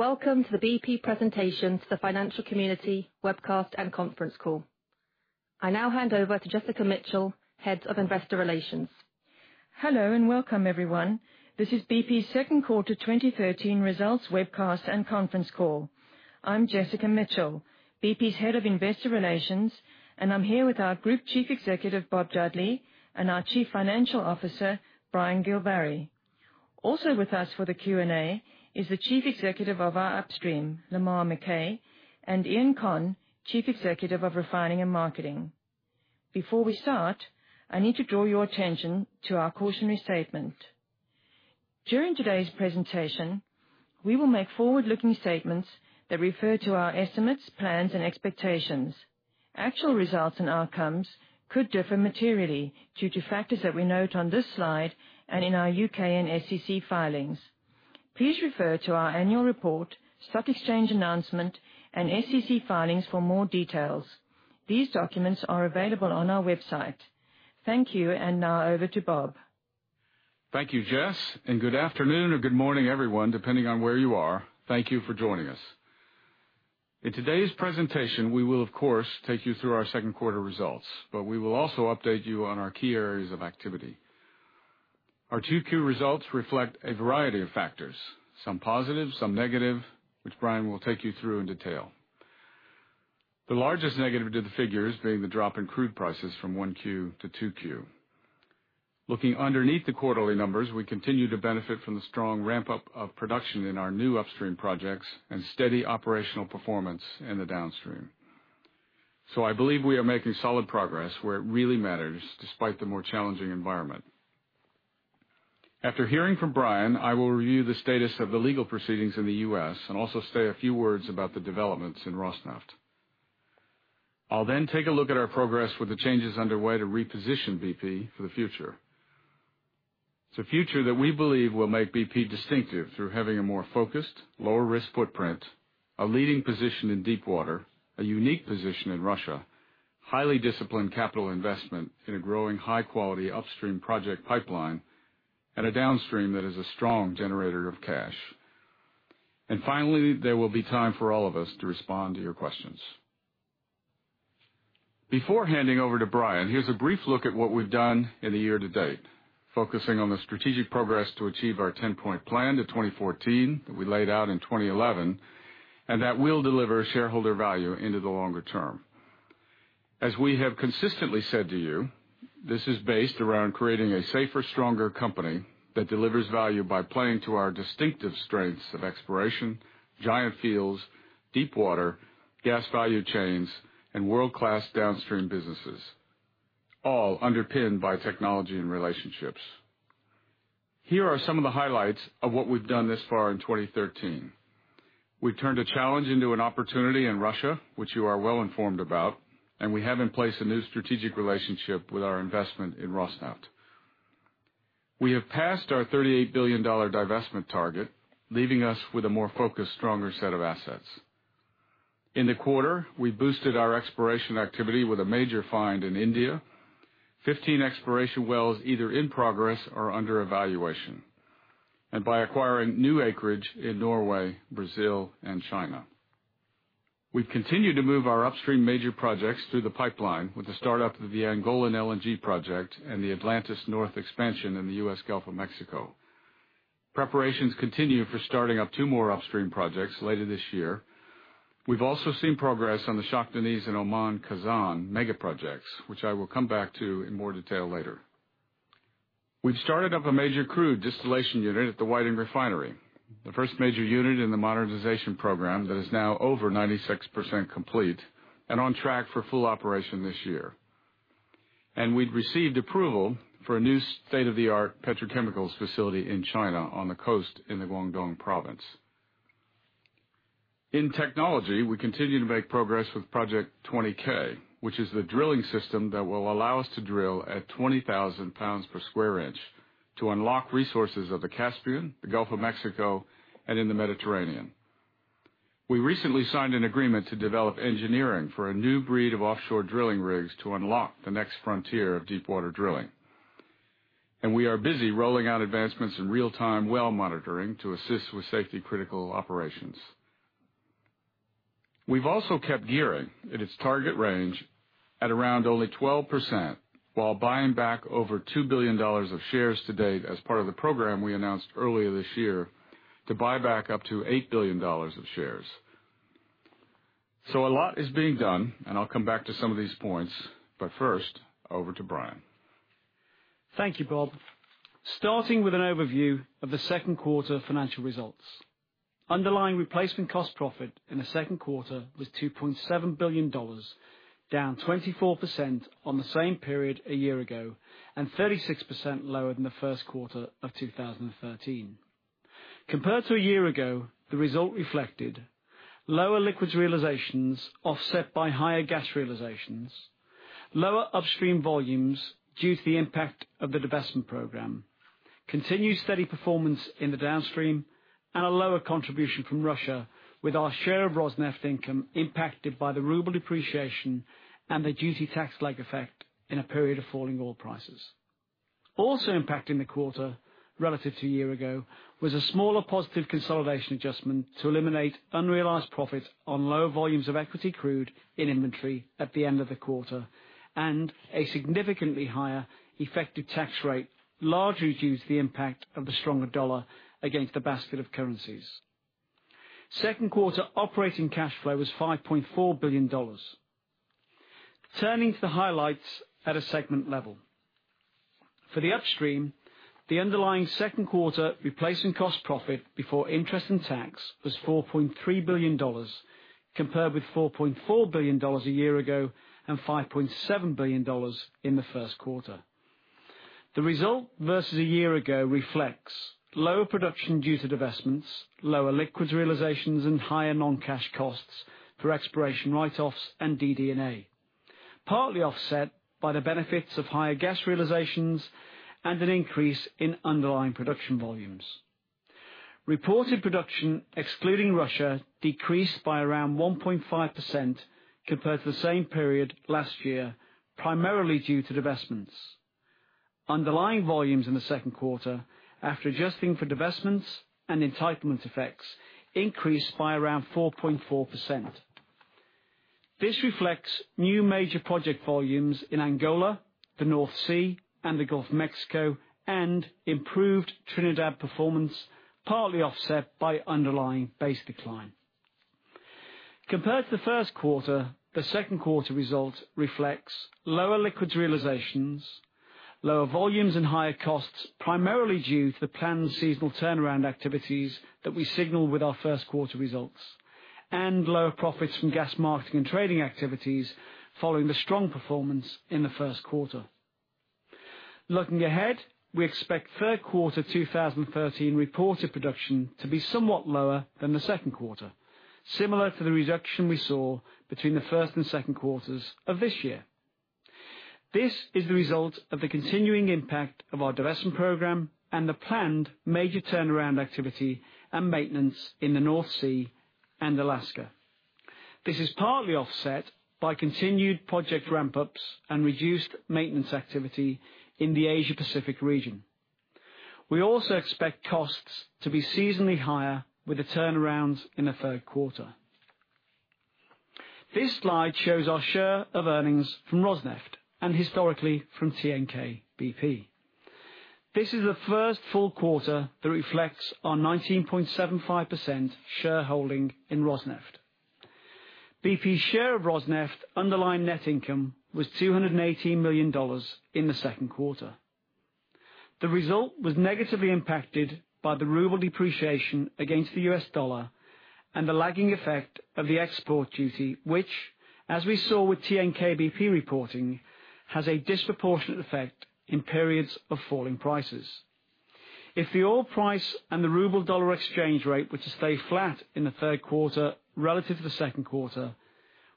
Welcome to the BP presentation to the financial community webcast and conference call. I now hand over to Jessica Mitchell, Head of Investor Relations. Hello, welcome, everyone. This is BP's second quarter 2013 results webcast and conference call. I'm Jessica Mitchell, BP's Head of Investor Relations, and I'm here with our Group Chief Executive, Bob Dudley, and our Chief Financial Officer, Brian Gilvary. Also with us for the Q&A is the Chief Executive of our upstream, Lamar McKay, and Iain Conn, Chief Executive of refining and marketing. Before we start, I need to draw your attention to our cautionary statement. During today's presentation, we will make forward-looking statements that refer to our estimates, plans, and expectations. Actual results and outcomes could differ materially due to factors that we note on this slide and in our U.K. and SEC filings. Please refer to our annual report, stock exchange announcement, and SEC filings for more details. These documents are available on our website. Thank you, now over to Bob. Thank you, Jess, good afternoon or good morning, everyone, depending on where you are. Thank you for joining us. In today's presentation, we will, of course, take you through our second quarter results, we will also update you on our key areas of activity. Our 2Q results reflect a variety of factors, some positive, some negative, which Brian will take you through in detail. The largest negative to the figures being the drop in crude prices from 1Q to 2Q. Looking underneath the quarterly numbers, we continue to benefit from the strong ramp-up of production in our new upstream projects and steady operational performance in the downstream. I believe we are making solid progress where it really matters, despite the more challenging environment. After hearing from Brian, I will review the status of the legal proceedings in the U.S. and also say a few words about the developments in Rosneft. I'll then take a look at our progress with the changes underway to reposition BP for the future. It's a future that we believe will make BP distinctive through having a more focused, lower risk footprint, a leading position in deep water, a unique position in Russia, highly disciplined capital investment in a growing high-quality upstream project pipeline, and a downstream that is a strong generator of cash. Finally, there will be time for all of us to respond to your questions. Before handing over to Brian, here's a brief look at what we've done in the year to date, focusing on the strategic progress to achieve our 10-point plan to 2014 that we laid out in 2011, that will deliver shareholder value into the longer term. As we have consistently said to you, this is based around creating a safer, stronger company that delivers value by playing to our distinctive strengths of exploration, giant fields, deep water, gas value chains, and world-class downstream businesses, all underpinned by technology and relationships. Here are some of the highlights of what we've done thus far in 2013. We've turned a challenge into an opportunity in Russia, which you are well informed about, we have in place a new strategic relationship with our investment in Rosneft. We have passed our $38 billion divestment target, leaving us with a more focused, stronger set of assets. In the quarter, we boosted our exploration activity with a major find in India, 15 exploration wells either in progress or under evaluation, by acquiring new acreage in Norway, Brazil, and China. We've continued to move our upstream major projects through the pipeline with the start-up of the Angola LNG project and the Atlantis North expansion in the U.S. Gulf of Mexico. Preparations continue for starting up two more upstream projects later this year. We've also seen progress on the Shah Deniz and Oman Khazzan mega projects, which I will come back to in more detail later. We've started up a major crude distillation unit at the Whiting Refinery, the first major unit in the modernization program that is now over 96% complete and on track for full operation this year. We've received approval for a new state-of-the-art petrochemicals facility in China on the coast in the Guangdong province. In technology, we continue to make progress with Project 20K, which is the drilling system that will allow us to drill at 20,000 pounds per square inch to unlock resources of the Caspian, the Gulf of Mexico, and in the Mediterranean. We recently signed an agreement to develop engineering for a new breed of offshore drilling rigs to unlock the next frontier of deepwater drilling. We are busy rolling out advancements in real-time well monitoring to assist with safety-critical operations. We've also kept gearing at its target range at around only 12% while buying back over $2 billion of shares to date as part of the program we announced earlier this year to buy back up to $8 billion of shares. A lot is being done, I'll come back to some of these points, first, over to Brian. Thank you, Bob. Starting with an overview of the second quarter financial results. Underlying replacement cost profit in the second quarter was $2.7 billion, down 24% on the same period a year ago and 36% lower than the first quarter of 2013. Compared to a year ago, the result reflected lower liquids realizations offset by higher gas realizations, lower upstream volumes due to the impact of the divestment program, continued steady performance in the downstream, and a lower contribution from Russia with our share of Rosneft income impacted by the ruble depreciation and the duty tax lag effect in a period of falling oil prices. Impacting the quarter relative to a year ago was a smaller positive consolidation adjustment to eliminate unrealized profit on low volumes of equity crude in inventory at the end of the quarter, and a significantly higher effective tax rate, largely due to the impact of the stronger dollar against the basket of currencies. Second quarter operating cash flow was $5.9 billion. Turning to the highlights at a segment level. For the upstream, the underlying second quarter replacement cost profit before interest and tax was $4.3 billion, compared with $4.4 billion a year ago and $5.7 billion in the first quarter. The result versus a year ago reflects lower production due to divestments, lower liquids realizations, and higher non-cash costs for exploration write-offs and DD&A, partly offset by the benefits of higher gas realizations and an increase in underlying production volumes. Reported production, excluding Russia, decreased by around 1.5% compared to the same period last year, primarily due to divestments. Underlying volumes in the second quarter, after adjusting for divestments and entitlement effects, increased by around 4.4%. This reflects new major project volumes in Angola, the North Sea, and the Gulf of Mexico, and improved Trinidad performance, partly offset by underlying base decline. Compared to the first quarter, the second quarter result reflects lower liquids realizations, lower volumes, and higher costs, primarily due to the planned seasonal turnaround activities that we signaled with our first-quarter results, and lower profits from gas marketing and trading activities following the strong performance in the first quarter. Looking ahead, we expect third quarter 2013 reported production to be somewhat lower than the second quarter, similar to the reduction we saw between the first and second quarters of this year. This is the result of the continuing impact of our divestment program and the planned major turnaround activity and maintenance in the North Sea and Alaska. This is partly offset by continued project ramp-ups and reduced maintenance activity in the Asia Pacific region. We also expect costs to be seasonally higher with the turnarounds in the third quarter. This slide shows our share of earnings from Rosneft and historically from TNK-BP. This is the first full quarter that reflects our 19.75% shareholding in Rosneft. BP's share of Rosneft underlying net income was $218 million in the second quarter. The result was negatively impacted by the ruble depreciation against the U.S. dollar and the lagging effect of the export duty, which, as we saw with TNK-BP reporting, has a disproportionate effect in periods of falling prices. If the oil price and the ruble-dollar exchange rate were to stay flat in the third quarter relative to the second quarter,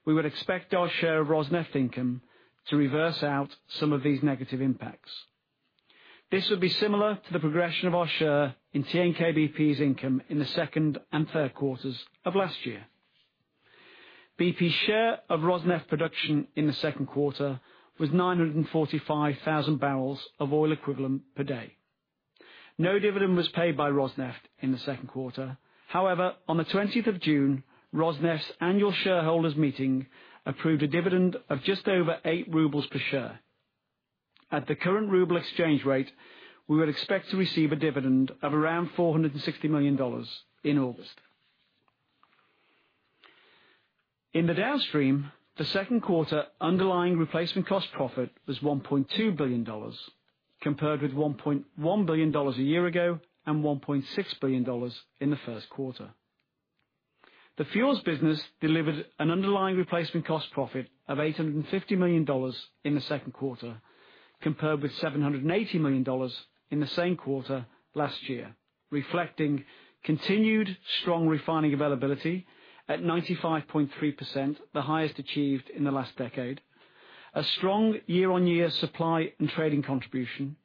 we would expect our share of Rosneft income to reverse out some of these negative impacts. This would be similar to the progression of our share in TNK-BP's income in the second and third quarters of last year. BP's share of Rosneft production in the second quarter was 945,000 barrels of oil equivalent per day. No dividend was paid by Rosneft in the second quarter. However, on the 20th of June, Rosneft's annual shareholders meeting approved a dividend of just over eight RUB per share. At the current ruble exchange rate, we would expect to receive a dividend of around $460 million in August. In the downstream, the second quarter underlying replacement cost profit was $1.2 billion, compared with $1.1 billion a year ago and $1.6 billion in the first quarter. The fuels business delivered an underlying replacement cost profit of $850 million in the second quarter, compared with $780 million in the same quarter last year, reflecting continued strong refining availability at 95.3%, the highest achieved in the last decade, a strong year-on-year supply and trading contribution,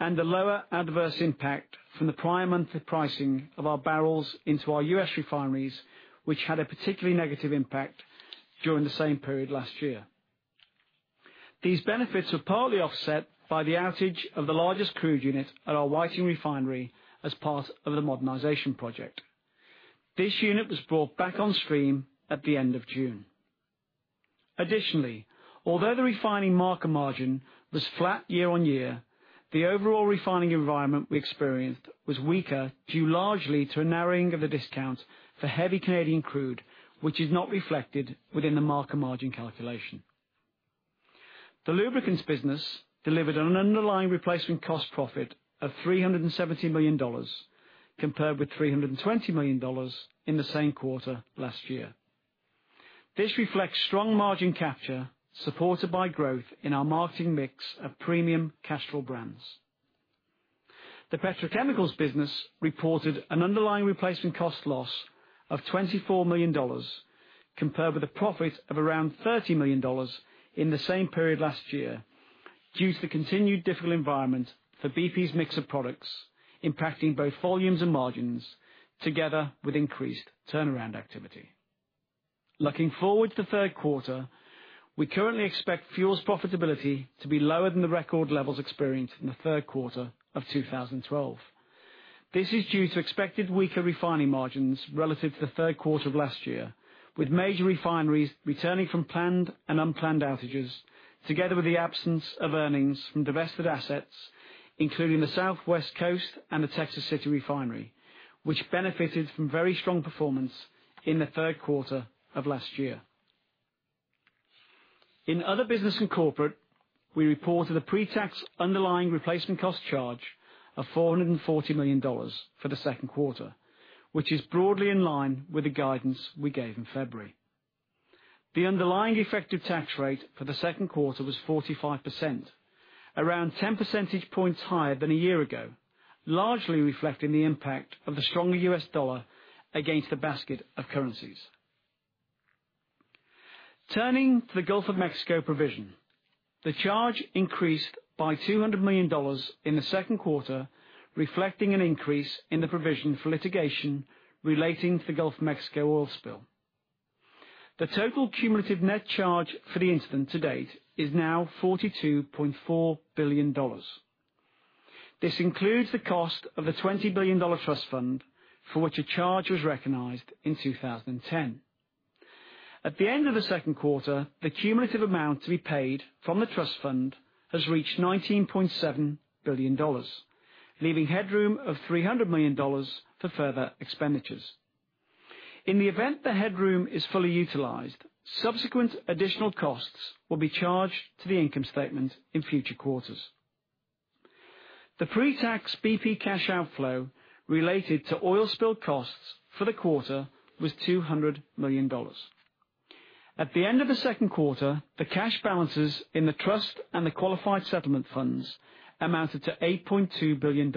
and a lower adverse impact from the prior monthly pricing of our barrels into our U.S. refineries, which had a particularly negative impact during the same period last year. These benefits are partly offset by the outage of the largest crude unit at our Whiting Refinery as part of the modernization project. This unit was brought back on stream at the end of June. Additionally, although the refining market margin was flat year-on-year, the overall refining environment we experienced was weaker, due largely to a narrowing of the discount for heavy Canadian crude, which is not reflected within the market margin calculation. The lubricants business delivered an underlying replacement cost profit of $370 million, compared with $320 million in the same quarter last year. This reflects strong margin capture, supported by growth in our marketing mix of premium Castrol brands. The petrochemicals business reported an underlying replacement cost loss of $24 million, compared with a profit of around $30 million in the same period last year, due to the continued difficult environment for BP's mix of products impacting both volumes and margins, together with increased turnaround activity. Looking forward to the third quarter, we currently expect fuels profitability to be lower than the record levels experienced in the third quarter of 2012. This is due to expected weaker refining margins relative to the third quarter of last year, with major refineries returning from planned and unplanned outages, together with the absence of earnings from divested assets, including the Southwest Coast and the Texas City Refinery, which benefited from very strong performance in the third quarter of last year. In other business and corporate, we reported a pre-tax underlying replacement cost charge of $440 million for the second quarter, which is broadly in line with the guidance we gave in February. The underlying effective tax rate for the second quarter was 45%, around 10 percentage points higher than a year ago, largely reflecting the impact of the stronger U.S. dollar against the basket of currencies. Turning to the Gulf of Mexico provision, the charge increased by $200 million in the second quarter, reflecting an increase in the provision for litigation relating to the Gulf of Mexico oil spill. The total cumulative net charge for the incident to date is now $42.4 billion. This includes the cost of a $20 billion trust fund, for which a charge was recognized in 2010. At the end of the second quarter, the cumulative amount to be paid from the trust fund has reached $19.7 billion, leaving headroom of $300 million for further expenditures. In the event the headroom is fully utilized, subsequent additional costs will be charged to the income statement in future quarters. The pre-tax BP cash outflow related to oil spill costs for the quarter was $200 million. At the end of the second quarter, the cash balances in the trust and the qualified settlement funds amounted to $8.2 billion,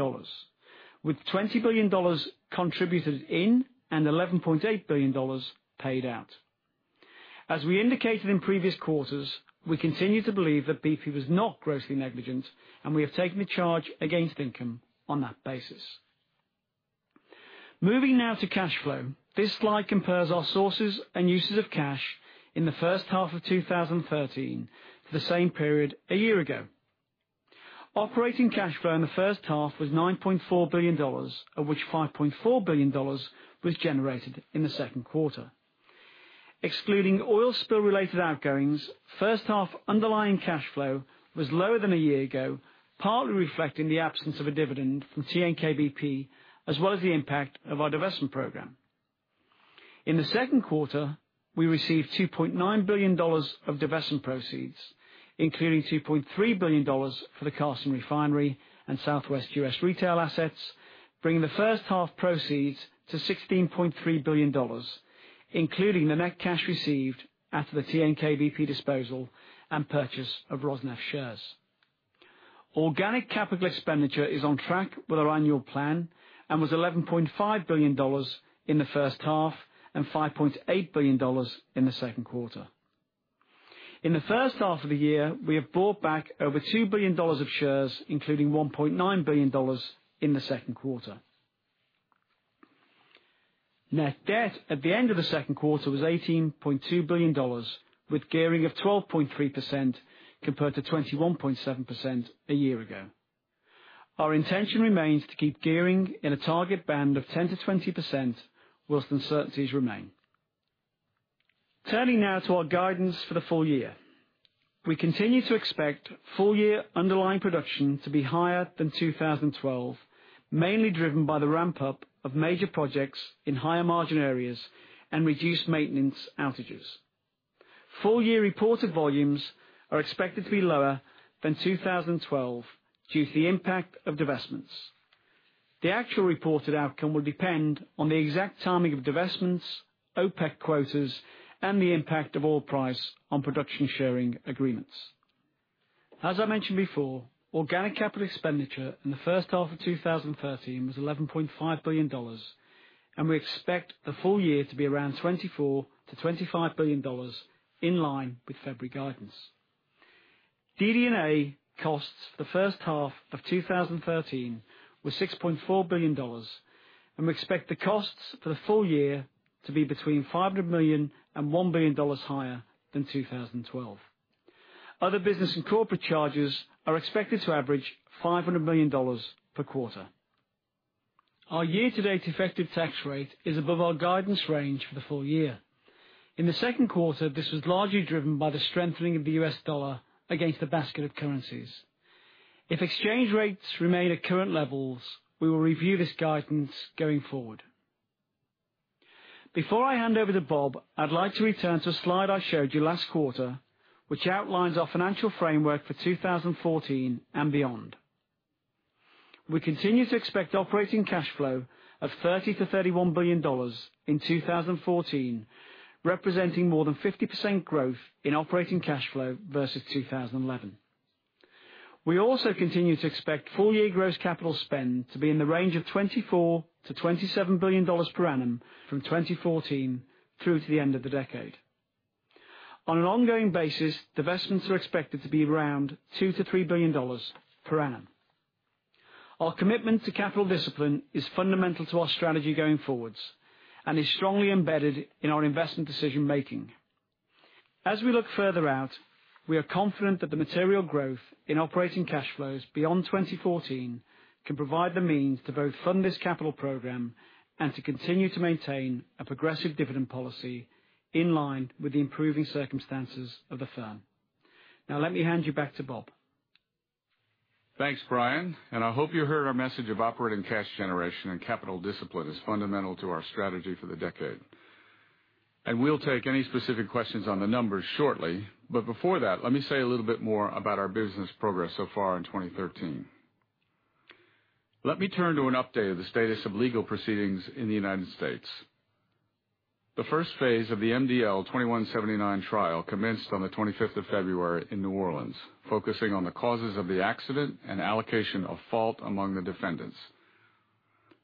with $20 billion contributed in and $11.8 billion paid out. As we indicated in previous quarters, we continue to believe that BP was not grossly negligent, and we have taken the charge against income on that basis. Moving now to cash flow. This slide compares our sources and uses of cash in the first half of 2013 to the same period a year ago. Operating cash flow in the first half was $9.4 billion, of which $5.4 billion was generated in the second quarter. Excluding oil spill related outgoings, first half underlying cash flow was lower than a year ago, partly reflecting the absence of a dividend from TNK-BP, as well as the impact of our divestment program. In the second quarter, we received $2.9 billion of divestment proceeds, including $2.3 billion for the Carson Refinery and Southwest U.S. retail assets, bringing the first half proceeds to $16.3 billion, including the net cash received after the TNK-BP disposal and purchase of Rosneft shares. Organic capital expenditure is on track with our annual plan and was $11.5 billion in the first half and $5.8 billion in the second quarter. In the first half of the year, we have bought back over $2 billion of shares, including $1.9 billion in the second quarter. Net debt at the end of the second quarter was $18.2 billion, with gearing of 12.3% compared to 21.7% a year ago. Our intention remains to keep gearing in a target band of 10%-20% whilst uncertainties remain. Turning now to our guidance for the full year. We continue to expect full year underlying production to be higher than 2012, mainly driven by the ramp-up of major projects in higher margin areas and reduced maintenance outages. Full year reported volumes are expected to be lower than 2012 due to the impact of divestments. The actual reported outcome will depend on the exact timing of divestments, OPEC quotas, and the impact of oil price on production sharing agreements. As I mentioned before, organic capital expenditure in the first half of 2013 was $11.5 billion, and we expect the full year to be around $24 billion-$25 billion, in line with February guidance. DD&A costs for the first half of 2013 were $6.4 billion, and we expect the costs for the full year to be between $500 million-$1 billion higher than 2012. Other business and corporate charges are expected to average $500 million per quarter. Our year-to-date effective tax rate is above our guidance range for the full year. In the second quarter, this was largely driven by the strengthening of the U.S. dollar against the basket of currencies. If exchange rates remain at current levels, we will review this guidance going forward. Before I hand over to Bob, I'd like to return to a slide I showed you last quarter, which outlines our financial framework for 2014 and beyond. We continue to expect operating cash flow of $30 billion-$31 billion in 2014, representing more than 50% growth in operating cash flow versus 2011. We also continue to expect full year gross capital spend to be in the range of $24 billion-$27 billion per annum from 2014 through to the end of the decade. On an ongoing basis, divestments are expected to be around $2 billion-$3 billion per annum. Our commitment to capital discipline is fundamental to our strategy going forwards and is strongly embedded in our investment decision-making. As we look further out, we are confident that the material growth in operating cash flows beyond 2014 can provide the means to both fund this capital program and to continue to maintain a progressive dividend policy in line with the improving circumstances of the firm. Now, let me hand you back to Bob. Thanks, Brian, I hope you heard our message of operating cash generation and capital discipline as fundamental to our strategy for the decade. We'll take any specific questions on the numbers shortly, but before that, let me say a little bit more about our business progress so far in 2013. Let me turn to an update of the status of legal proceedings in the United States. The first phase of the MDL 2179 trial commenced on the 25th of February in New Orleans, focusing on the causes of the accident and allocation of fault among the defendants.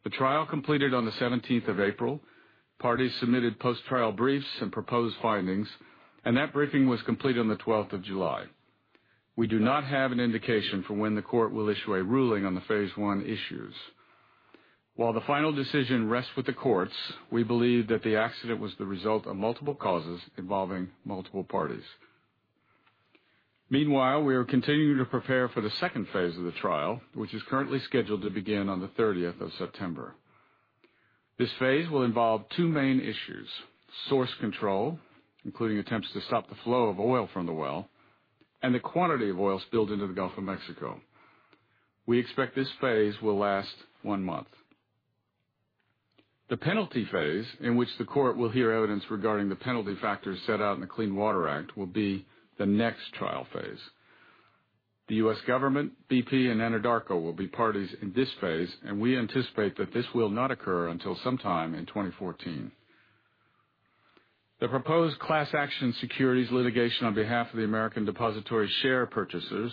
The trial completed on the 17th of April. Parties submitted post-trial briefs and proposed findings, that briefing was complete on the 12th of July. We do not have an indication for when the court will issue a ruling on the phase 1 issues. While the final decision rests with the courts, we believe that the accident was the result of multiple causes involving multiple parties. Meanwhile, we are continuing to prepare for the phase 2 of the trial, which is currently scheduled to begin on the 30th of September. This phase will involve two main issues, source control, including attempts to stop the flow of oil from the well, and the quantity of oil spilled into the Gulf of Mexico. We expect this phase will last one month. The penalty phase, in which the court will hear evidence regarding the penalty factors set out in the Clean Water Act, will be the next trial phase. The U.S. government, BP, and Anadarko will be parties in this phase, and we anticipate that this will not occur until sometime in 2014. The proposed class action securities litigation on behalf of the American depository share purchasers,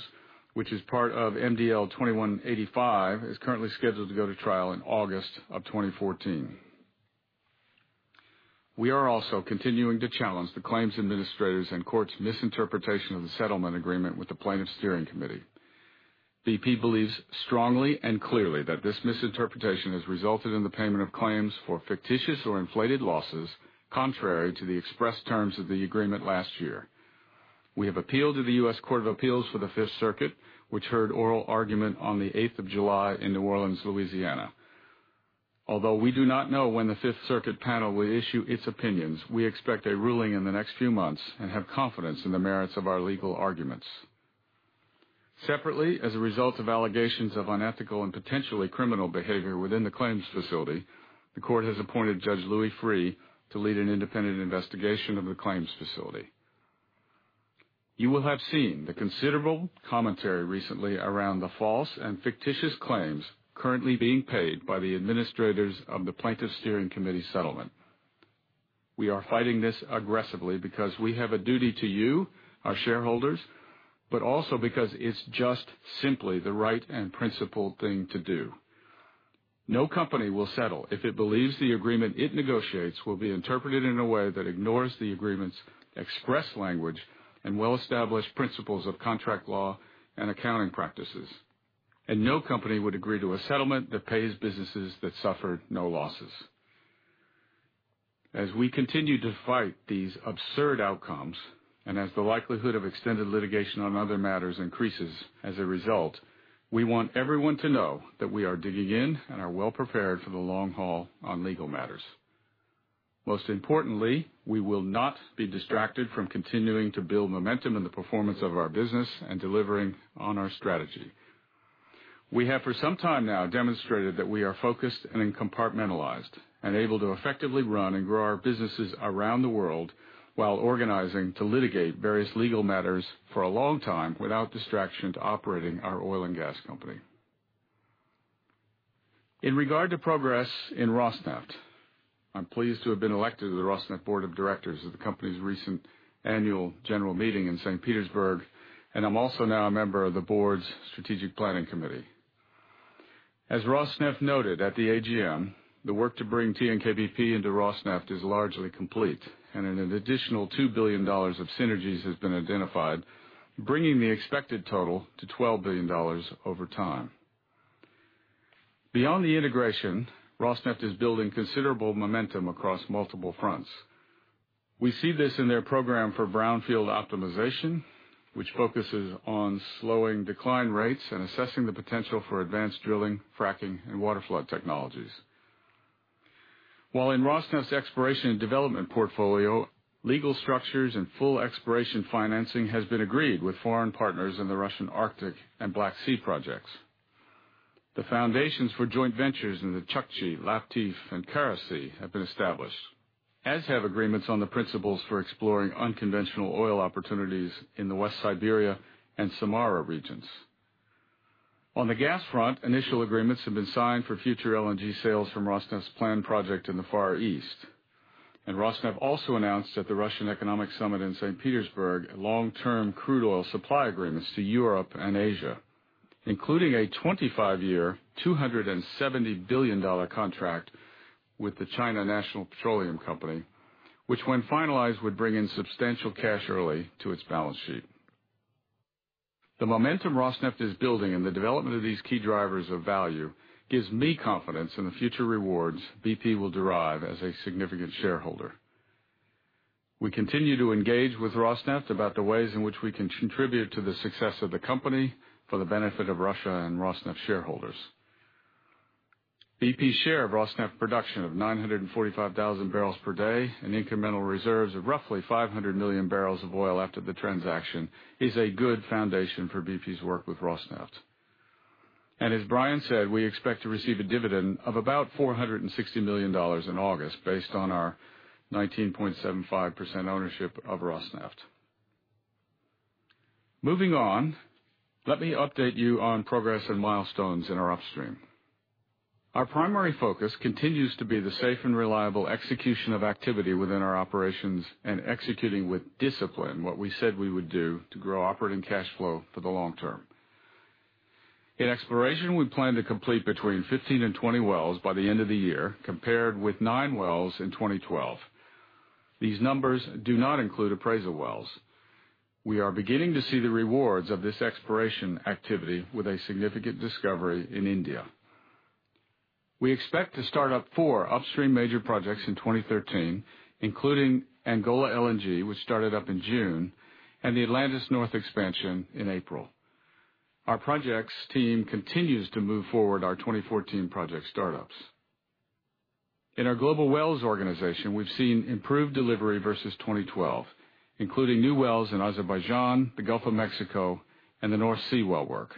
which is part of MDL 2185, is currently scheduled to go to trial in August of 2014. We are also continuing to challenge the claims administrators and court's misinterpretation of the settlement agreement with the Plaintiffs' Steering Committee. BP believes strongly and clearly that this misinterpretation has resulted in the payment of claims for fictitious or inflated losses, contrary to the expressed terms of the agreement last year. We have appealed to the U.S. Court of Appeals for the Fifth Circuit, which heard oral argument on the 8th of July in New Orleans, Louisiana. Although we do not know when the Fifth Circuit panel will issue its opinions, we expect a ruling in the next few months and have confidence in the merits of our legal arguments. Separately, as a result of allegations of unethical and potentially criminal behavior within the claims facility, the court has appointed Judge Louis Freeh to lead an independent investigation of the claims facility. You will have seen the considerable commentary recently around the false and fictitious claims currently being paid by the administrators of the Plaintiffs' Steering Committee settlement. We are fighting this aggressively because we have a duty to you, our shareholders, but also because it's just simply the right and principled thing to do. No company will settle if it believes the agreement it negotiates will be interpreted in a way that ignores the agreement's express language and well-established principles of contract law and accounting practices. No company would agree to a settlement that pays businesses that suffered no losses. As we continue to fight these absurd outcomes, and as the likelihood of extended litigation on other matters increases as a result, we want everyone to know that we are digging in and are well prepared for the long haul on legal matters. Most importantly, we will not be distracted from continuing to build momentum in the performance of our business and delivering on our strategy. We have, for some time now, demonstrated that we are focused and compartmentalized and able to effectively run and grow our businesses around the world while organizing to litigate various legal matters for a long time without distraction to operating our oil and gas company. In regard to progress in Rosneft, I'm pleased to have been elected to the Rosneft Board of Directors at the company's recent annual general meeting in St. Petersburg, and I'm also now a member of the board's strategic planning committee. As Rosneft noted at the AGM, the work to bring TNK-BP into Rosneft is largely complete, and an additional $2 billion of synergies has been identified, bringing the expected total to $12 billion over time. Beyond the integration, Rosneft is building considerable momentum across multiple fronts. We see this in their program for brownfield optimization, which focuses on slowing decline rates and assessing the potential for advanced drilling, fracking, and water flood technologies. While in Rosneft's exploration and development portfolio, legal structures and full exploration financing has been agreed with foreign partners in the Russian Arctic and Black Sea projects. The foundations for joint ventures in the Chukchi, Laptev, and Kara Sea have been established, as have agreements on the principles for exploring unconventional oil opportunities in the West Siberia and Samara regions. On the gas front, initial agreements have been signed for future LNG sales from Rosneft's planned project in the Far East. Rosneft also announced at the Russian Economic Summit in St. Petersburg long-term crude oil supply agreements to Europe and Asia, including a 25-year, $270 billion contract with the China National Petroleum Company, which when finalized, would bring in substantial cash early to its balance sheet. The momentum Rosneft is building in the development of these key drivers of value gives me confidence in the future rewards BP will derive as a significant shareholder. We continue to engage with Rosneft about the ways in which we can contribute to the success of the company for the benefit of Russia and Rosneft shareholders. BP's share of Rosneft production of 945,000 barrels per day, and incremental reserves of roughly 500 million barrels of oil after the transaction, is a good foundation for BP's work with Rosneft. As Brian said, we expect to receive a dividend of about $460 million in August based on our 19.75% ownership of Rosneft. Moving on, let me update you on progress and milestones in our Upstream. Our primary focus continues to be the safe and reliable execution of activity within our operations and executing with discipline what we said we would do to grow operating cash flow for the long term. In exploration, we plan to complete between 15 and 20 wells by the end of the year, compared with nine wells in 2012. These numbers do not include appraisal wells. We are beginning to see the rewards of this exploration activity with a significant discovery in India. We expect to start up four Upstream major projects in 2013, including Angola LNG, which started up in June, and the Atlantis North expansion in April. Our projects team continues to move forward our 2014 project startups. In our global wells organization, we've seen improved delivery versus 2012, including new wells in Azerbaijan, the Gulf of Mexico, and the North Sea well work.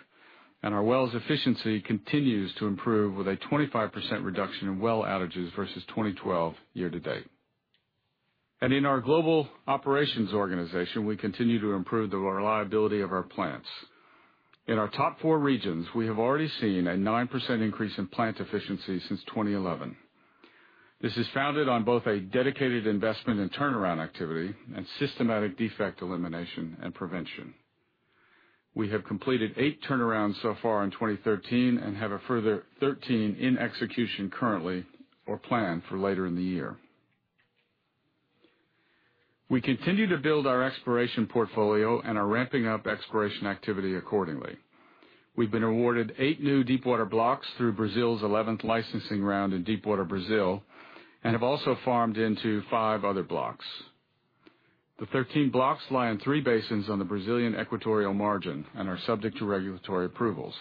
Our wells efficiency continues to improve with a 25% reduction in well outages versus 2012 year to date. In our global operations organization, we continue to improve the reliability of our plants. In our top four regions, we have already seen a 9% increase in plant efficiency since 2011. This is founded on both a dedicated investment in turnaround activity and systematic defect elimination and prevention. We have completed eight turnarounds so far in 2013 and have a further 13 in execution currently or planned for later in the year. We continue to build our exploration portfolio and are ramping up exploration activity accordingly. We've been awarded eight new deep water blocks through Brazil's 11th licensing round in Deepwater Brazil, and have also farmed into five other blocks. The 13 blocks lie on three basins on the Brazilian equatorial margin and are subject to regulatory approvals.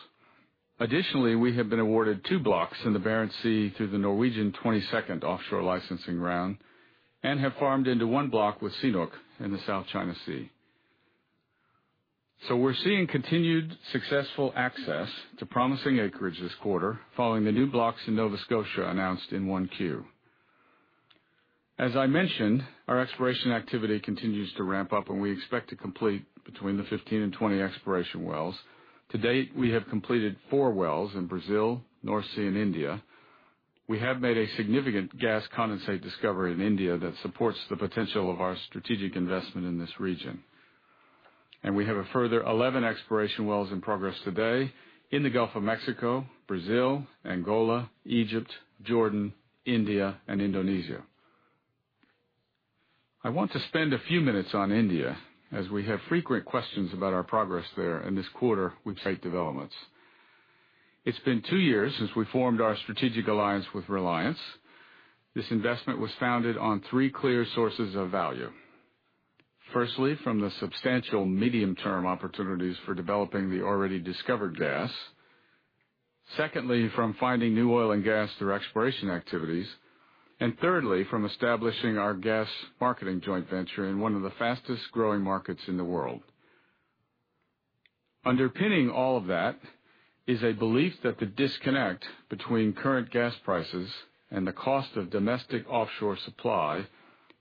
Additionally, we have been awarded two blocks in the Barents Sea through the Norwegian 22nd offshore licensing round and have farmed into one block with CNOOC in the South China Sea. We're seeing continued successful access to promising acreage this quarter following the new blocks in Nova Scotia announced in 1Q. As I mentioned, our exploration activity continues to ramp up, and we expect to complete between 15 and 20 exploration wells. To date, we have completed four wells in Brazil, North Sea, and India. We have made a significant gas condensate discovery in India that supports the potential of our strategic investment in this region. We have a further 11 exploration wells in progress today in the Gulf of Mexico, Brazil, Angola, Egypt, Jordan, India, and Indonesia. I want to spend a few minutes on India as we have frequent questions about our progress there, and this quarter, we've seen great developments. It's been two years since we formed our strategic alliance with Reliance. This investment was founded on three clear sources of value. Firstly, from the substantial medium-term opportunities for developing the already discovered gas. Secondly, from finding new oil and gas through exploration activities. Thirdly, from establishing our gas marketing joint venture in one of the fastest-growing markets in the world. Underpinning all of that is a belief that the disconnect between current gas prices and the cost of domestic offshore supply,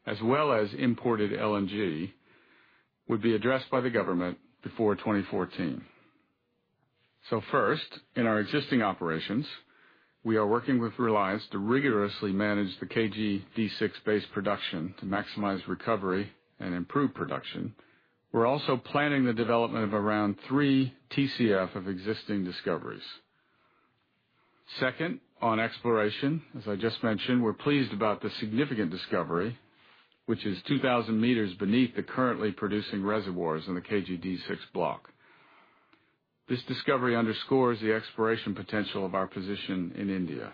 as well as imported LNG, would be addressed by the government before 2014. First, in our existing operations, we are working with Reliance to rigorously manage the KG-D6 base production to maximize recovery and improve production. We're also planning the development of around three TCF of existing discoveries. Second, on exploration, as I just mentioned, we're pleased about the significant discovery, which is 2,000 meters beneath the currently producing reservoirs in the KG-D6 block. This discovery underscores the exploration potential of our position in India,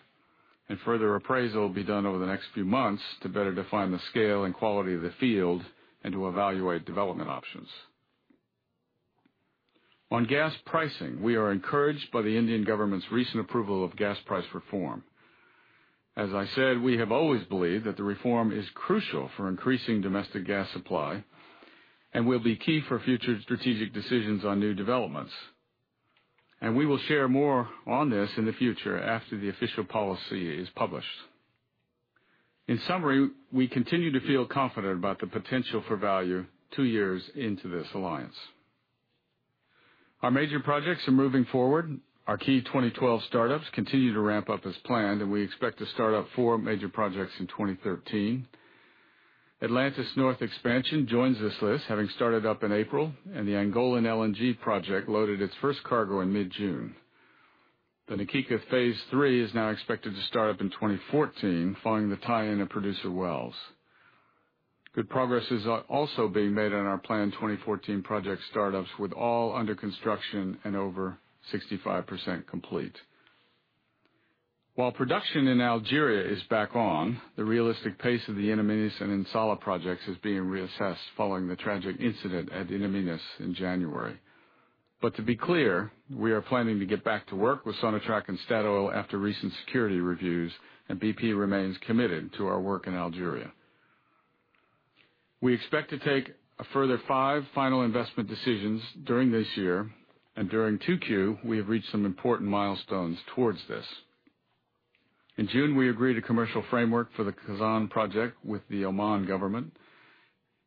and further appraisal will be done over the next few months to better define the scale and quality of the field and to evaluate development options. On gas pricing, we are encouraged by the Indian government's recent approval of gas price reform. As I said, we have always believed that the reform is crucial for increasing domestic gas supply and will be key for future strategic decisions on new developments. We will share more on this in the future after the official policy is published. In summary, we continue to feel confident about the potential for value two years into this alliance. Our major projects are moving forward. Our key 2012 startups continue to ramp up as planned, and we expect to start up four major projects in 2013. Atlantis North expansion joins this list, having started up in April, and the Angola LNG project loaded its first cargo in mid-June. The Na Kika Phase Three is now expected to start up in 2014, following the tie-in of producer wells. Good progress is also being made on our planned 2014 project startups, with all under construction and over 65% complete. While production in Algeria is back on, the realistic pace of the In Amenas and In Salah projects is being reassessed following the tragic incident at In Amenas in January. To be clear, we are planning to get back to work with Sonatrach and Statoil after recent security reviews, and BP remains committed to our work in Algeria. We expect to take a further five final investment decisions during this year, and during 2Q, we have reached some important milestones towards this. In June, we agreed a commercial framework for the Khazzan project with the Oman government.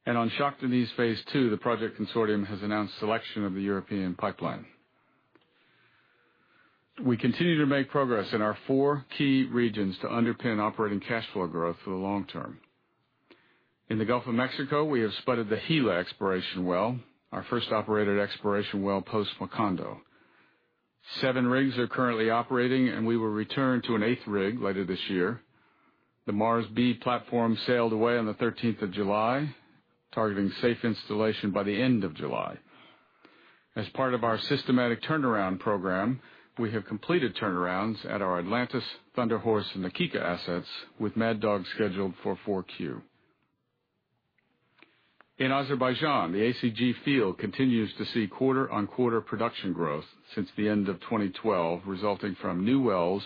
On Shah Deniz Phase Two, the project consortium has announced selection of the European pipeline. We continue to make progress in our four key regions to underpin operating cash flow growth for the long term. In the Gulf of Mexico, we have spudded the Gila exploration well, our first operated exploration well post-Macondo. Seven rigs are currently operating, and we will return to an eighth rig later this year. The Mars B platform sailed away on the 13th of July, targeting safe installation by the end of July. As part of our systematic turnaround program, we have completed turnarounds at our Atlantis, Thunder Horse, and Na Kika assets, with Mad Dog scheduled for 4Q. In Azerbaijan, the ACG field continues to see quarter-on-quarter production growth since the end of 2012, resulting from new wells,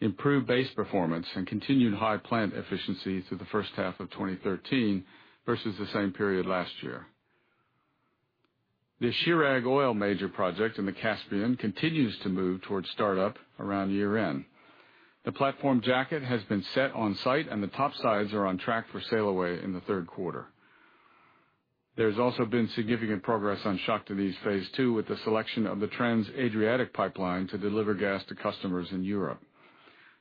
improved base performance, and continued high plant efficiency through the first half of 2013 versus the same period last year. The Chirag oil major project in the Caspian continues to move towards startup around year-end. The platform jacket has been set on site, and the topsides are on track for sail away in the third quarter. There has also been significant progress on Shah Deniz Phase Two with the selection of the Trans Adriatic Pipeline to deliver gas to customers in Europe.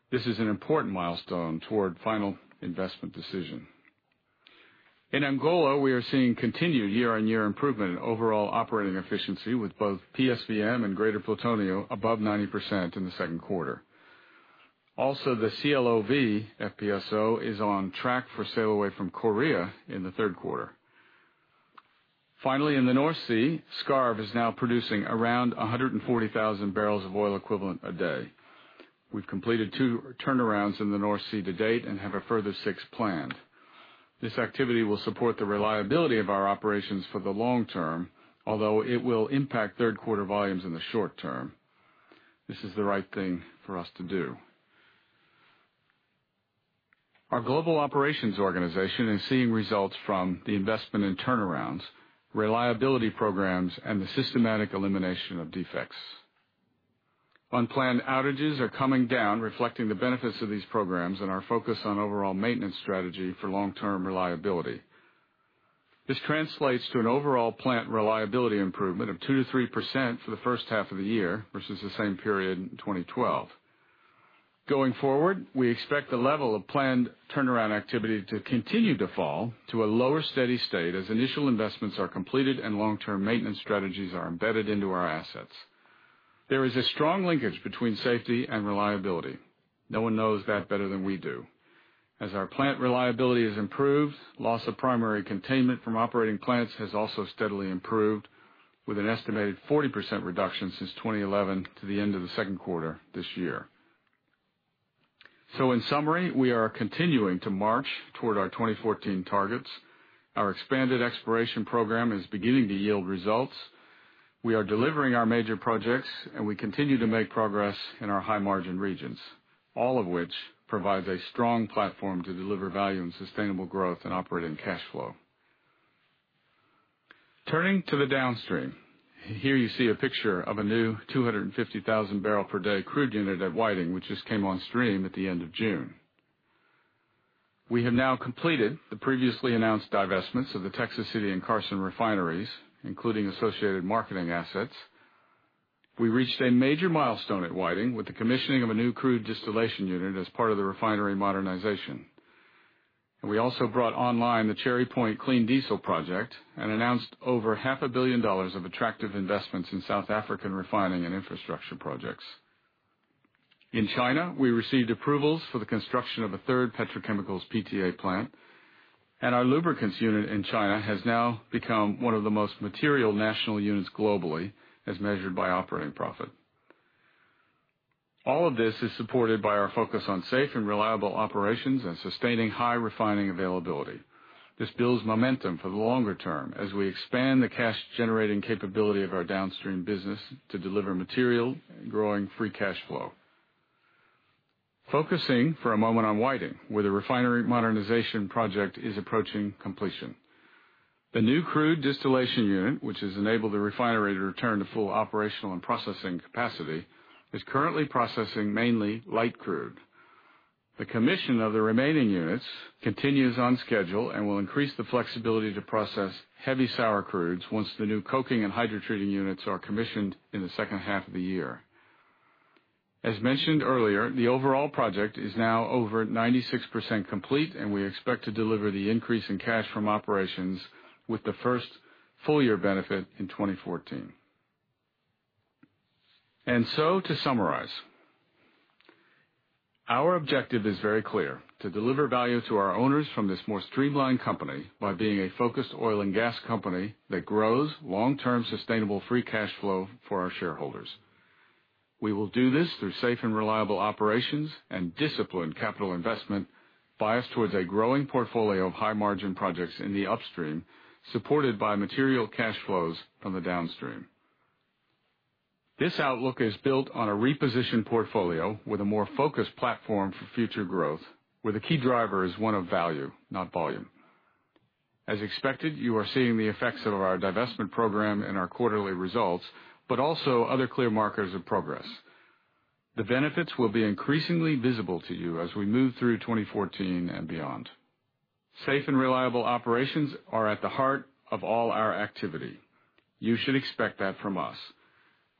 This is an important milestone toward final investment decision. In Angola, we are seeing continued year-on-year improvement in overall operating efficiency with both PSVM and Greater Plutonio above 90% in the second quarter. The CLOV FPSO is on track for sail away from Korea in the third quarter. In the North Sea, Skarv is now producing around 140,000 barrels of oil equivalent a day. We have completed two turnarounds in the North Sea to date and have a further six planned. This activity will support the reliability of our operations for the long term, although it will impact third-quarter volumes in the short term. This is the right thing for us to do. Our global operations organization is seeing results from the investment in turnarounds, reliability programs, and the systematic elimination of defects. Unplanned outages are coming down, reflecting the benefits of these programs and our focus on overall maintenance strategy for long-term reliability. This translates to an overall plant reliability improvement of 2%-3% for the first half of the year versus the same period in 2012. Going forward, we expect the level of planned turnaround activity to continue to fall to a lower steady state as initial investments are completed and long-term maintenance strategies are embedded into our assets. There is a strong linkage between safety and reliability. No one knows that better than we do. As our plant reliability is improved, loss of primary containment from operating plants has also steadily improved, with an estimated 40% reduction since 2011 to the end of the second quarter this year. In summary, we are continuing to march toward our 2014 targets. Our expanded exploration program is beginning to yield results. We are delivering our major projects, and we continue to make progress in our high-margin regions, all of which provides a strong platform to deliver value and sustainable growth and operating cash flow. Turning to the downstream. Here you see a picture of a new 250,000 barrel per day crude unit at Whiting, which just came on stream at the end of June. We have now completed the previously announced divestments of the Texas City and Carson refineries, including associated marketing assets. We reached a major milestone at Whiting with the commissioning of a new crude distillation unit as part of the refinery modernization. We also brought online the Cherry Point clean diesel project and announced over half a billion dollars of attractive investments in South African refining and infrastructure projects. In China, we received approvals for the construction of a third petrochemicals PTA plant, and our lubricants unit in China has now become one of the most material national units globally as measured by operating profit. All of this is supported by our focus on safe and reliable operations and sustaining high refining availability. This builds momentum for the longer term as we expand the cash-generating capability of our downstream business to deliver material and growing free cash flow. Focusing for a moment on Whiting, where the refinery modernization project is approaching completion. The new crude distillation unit, which has enabled the refinery to return to full operational and processing capacity, is currently processing mainly light crude. The commission of the remaining units continues on schedule and will increase the flexibility to process heavy sour crudes once the new coking and hydrotreating units are commissioned in the second half of the year. As mentioned earlier, the overall project is now over 96% complete, and we expect to deliver the increase in cash from operations with the first full year benefit in 2014. To summarize, our objective is very clear: To deliver value to our owners from this more streamlined company by being a focused oil and gas company that grows long-term sustainable free cash flow for our shareholders. We will do this through safe and reliable operations and disciplined capital investment biased towards a growing portfolio of high-margin projects in the upstream, supported by material cash flows from the downstream. This outlook is built on a repositioned portfolio with a more focused platform for future growth, where the key driver is one of value, not volume. As expected, you are seeing the effects of our divestment program in our quarterly results, but also other clear markers of progress. The benefits will be increasingly visible to you as we move through 2014 and beyond. Safe and reliable operations are at the heart of all our activity. You should expect that from us.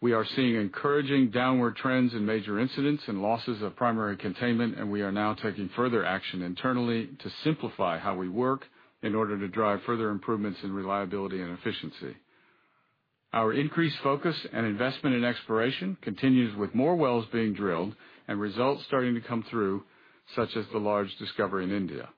We are seeing encouraging downward trends in major incidents and losses of primary containment. We are now taking further action internally to simplify how we work in order to drive further improvements in reliability and efficiency. Our increased focus and investment in exploration continues, with more wells being drilled and results starting to come through, such as the large discovery in India.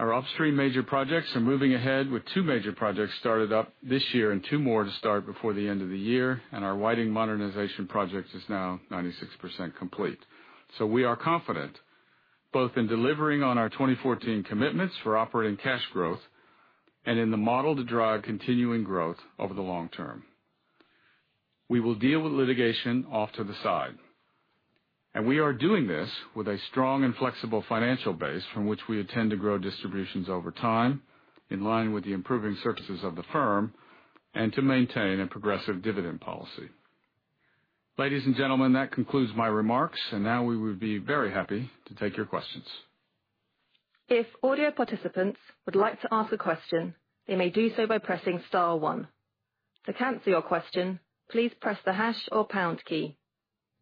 Our upstream major projects are moving ahead, with two major projects started up this year and two more to start before the end of the year, and our Whiting modernization project is now 96% complete. We are confident both in delivering on our 2014 commitments for operating cash growth and in the model to drive continuing growth over the long term. We will deal with litigation off to the side, we are doing this with a strong and flexible financial base from which we intend to grow distributions over time, in line with the improving services of the firm, to maintain a progressive dividend policy. Ladies and gentlemen, that concludes my remarks, now we would be very happy to take your questions. If audio participants would like to ask a question, they may do so by pressing star one. To cancel your question, please press the hash or pound key.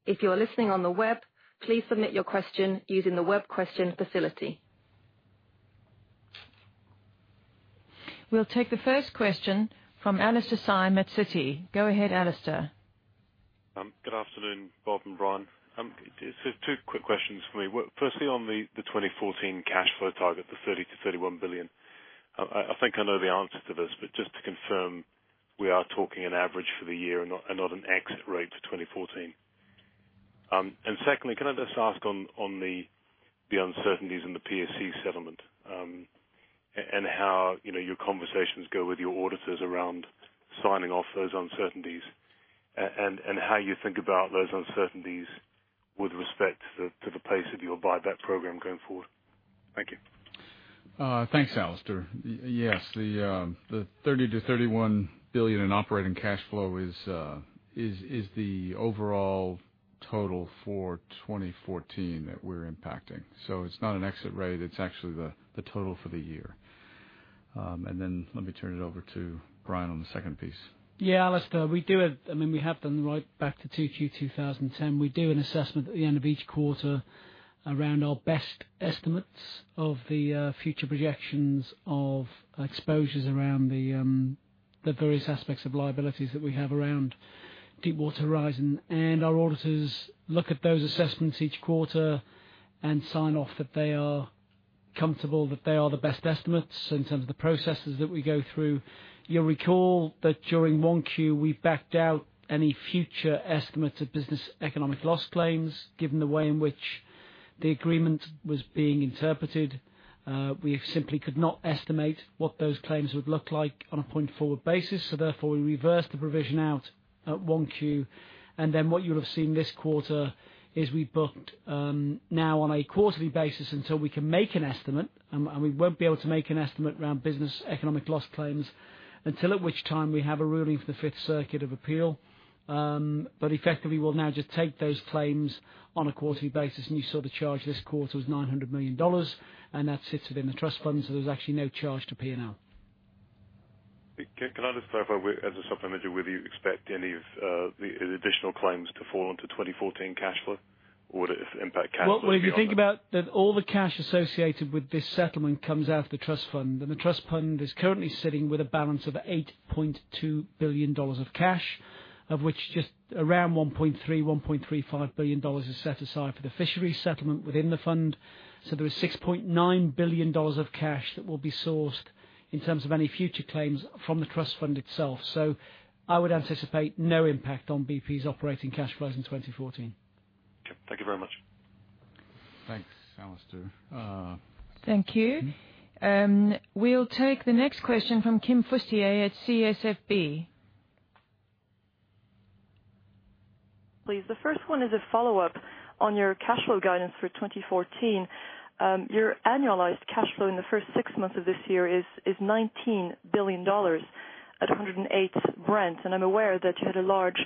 If you are listening on the web, please submit your question using the web question facility. We'll take the first question from Alastair Syme at Citi. Go ahead, Alastair. Good afternoon, Bob and Brian. Just two quick questions for me. Firstly, on the 2014 cash flow target, the $30 billion-$31 billion. I think I know the answer to this, just to confirm, we are talking an average for the year and not an exit rate to 2014. Secondly, can I just ask on the uncertainties in the PSC settlement, how your conversations go with your auditors around signing off those uncertainties, how you think about those uncertainties with respect to the pace of your buyback program going forward? Thank you. Thanks, Alastair. Yes, the $30 billion-$31 billion in operating cash flow is the overall total for 2014 that we're impacting. It's not an exit rate, it's actually the total for the year. Let me turn it over to Brian on the second piece. Yeah, Alastair. We have done right back to 2Q 2010, we do an assessment at the end of each quarter around our best estimates of the future projections of exposures around the various aspects of liabilities that we have around Deepwater Horizon. Our auditors look at those assessments each quarter and sign off that they are comfortable that they are the best estimates in terms of the processes that we go through. You'll recall that during 1Q, we backed out any future estimates of Business Economic Loss claims, given the way in which the agreement was being interpreted. We simply could not estimate what those claims would look like on a point-forward basis. Therefore, we reversed the provision out at 1Q, and then what you'll have seen this quarter is we booked now on a quarterly basis until we can make an estimate. We won't be able to make an estimate around Business Economic Loss claims until at which time we have a ruling for the Fifth Circuit of Appeal. Effectively, we'll now just take those claims on a quarterly basis, and you saw the charge this quarter was $900 million, and that sits within the trust fund, so there's actually no charge to P&L. Can I just clarify as a supplementary, whether you expect any of the additional claims to fall into 2014 cash flow or if it would impact cash flow beyond that? If you think about that all the cash associated with this settlement comes out of the trust fund, and the trust fund is currently sitting with a balance of $8.2 billion of cash, of which just around $1.35 billion is set aside for the fishery settlement within the fund. There is $6.9 billion of cash that will be sourced in terms of any future claims from the trust fund itself. I would anticipate no impact on BP's operating cash flows in 2014. Thank you very much. Thanks, Alastair. Thank you. We'll take the next question from Kim Fustier at CSFB. Please. The first one is a follow-up on your cash flow guidance for 2014. Your annualized cash flow in the first six months of this year is $19 billion. At 108 Brent. I'm aware that you had a large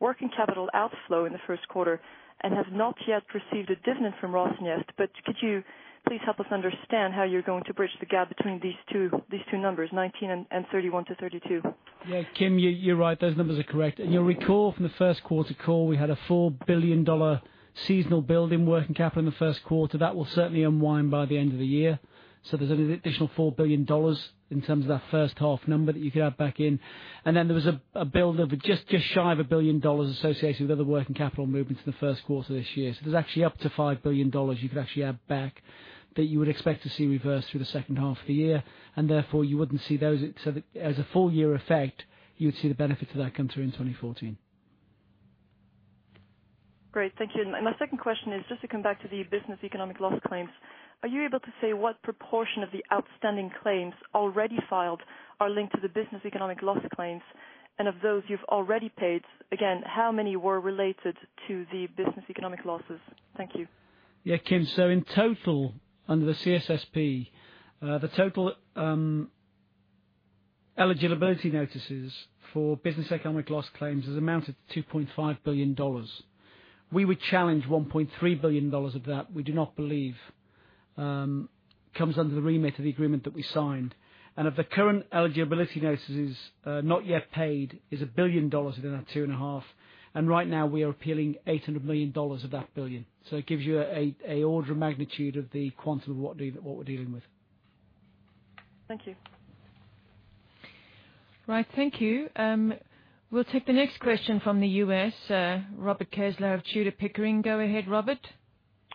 working capital outflow in the first quarter and have not yet received a dividend from Rosneft. Could you please help us understand how you're going to bridge the gap between these two numbers, 19 and 31 to 32? Yeah, Kim, you're right. Those numbers are correct. You'll recall from the first quarter call, we had a $4 billion seasonal build in working capital in the first quarter. That will certainly unwind by the end of the year. There's an additional $4 billion in terms of that first half number that you could add back in. There was a build of just shy of $1 billion associated with other working capital movements in the first quarter this year. There's actually up to $5 billion you could actually add back that you would expect to see reverse through the second half of the year, and therefore you wouldn't see those. As a full-year effect, you would see the benefit of that come through in 2014. Great, thank you. My second question is just to come back to the Business Economic Loss claims. Are you able to say what proportion of the outstanding claims already filed are linked to the Business Economic Loss claims? Of those you've already paid, again, how many were related to the Business Economic Loss claims? Thank you. Yeah, Kim. In total, under the CSSP, the total eligibility notices for Business Economic Loss claims has amounted to $2.5 billion. We would challenge $1.3 billion of that we do not believe comes under the remit of the agreement that we signed. Of the current eligibility notices not yet paid is $1 billion within that 2.5 billion. Right now we are appealing $800 million of that billion. It gives you an order of magnitude of the quantum of what we're dealing with. Thank you. Right. Thank you. We'll take the next question from the U.S., Robert Kesler of Tudor, Pickering. Go ahead, Robert.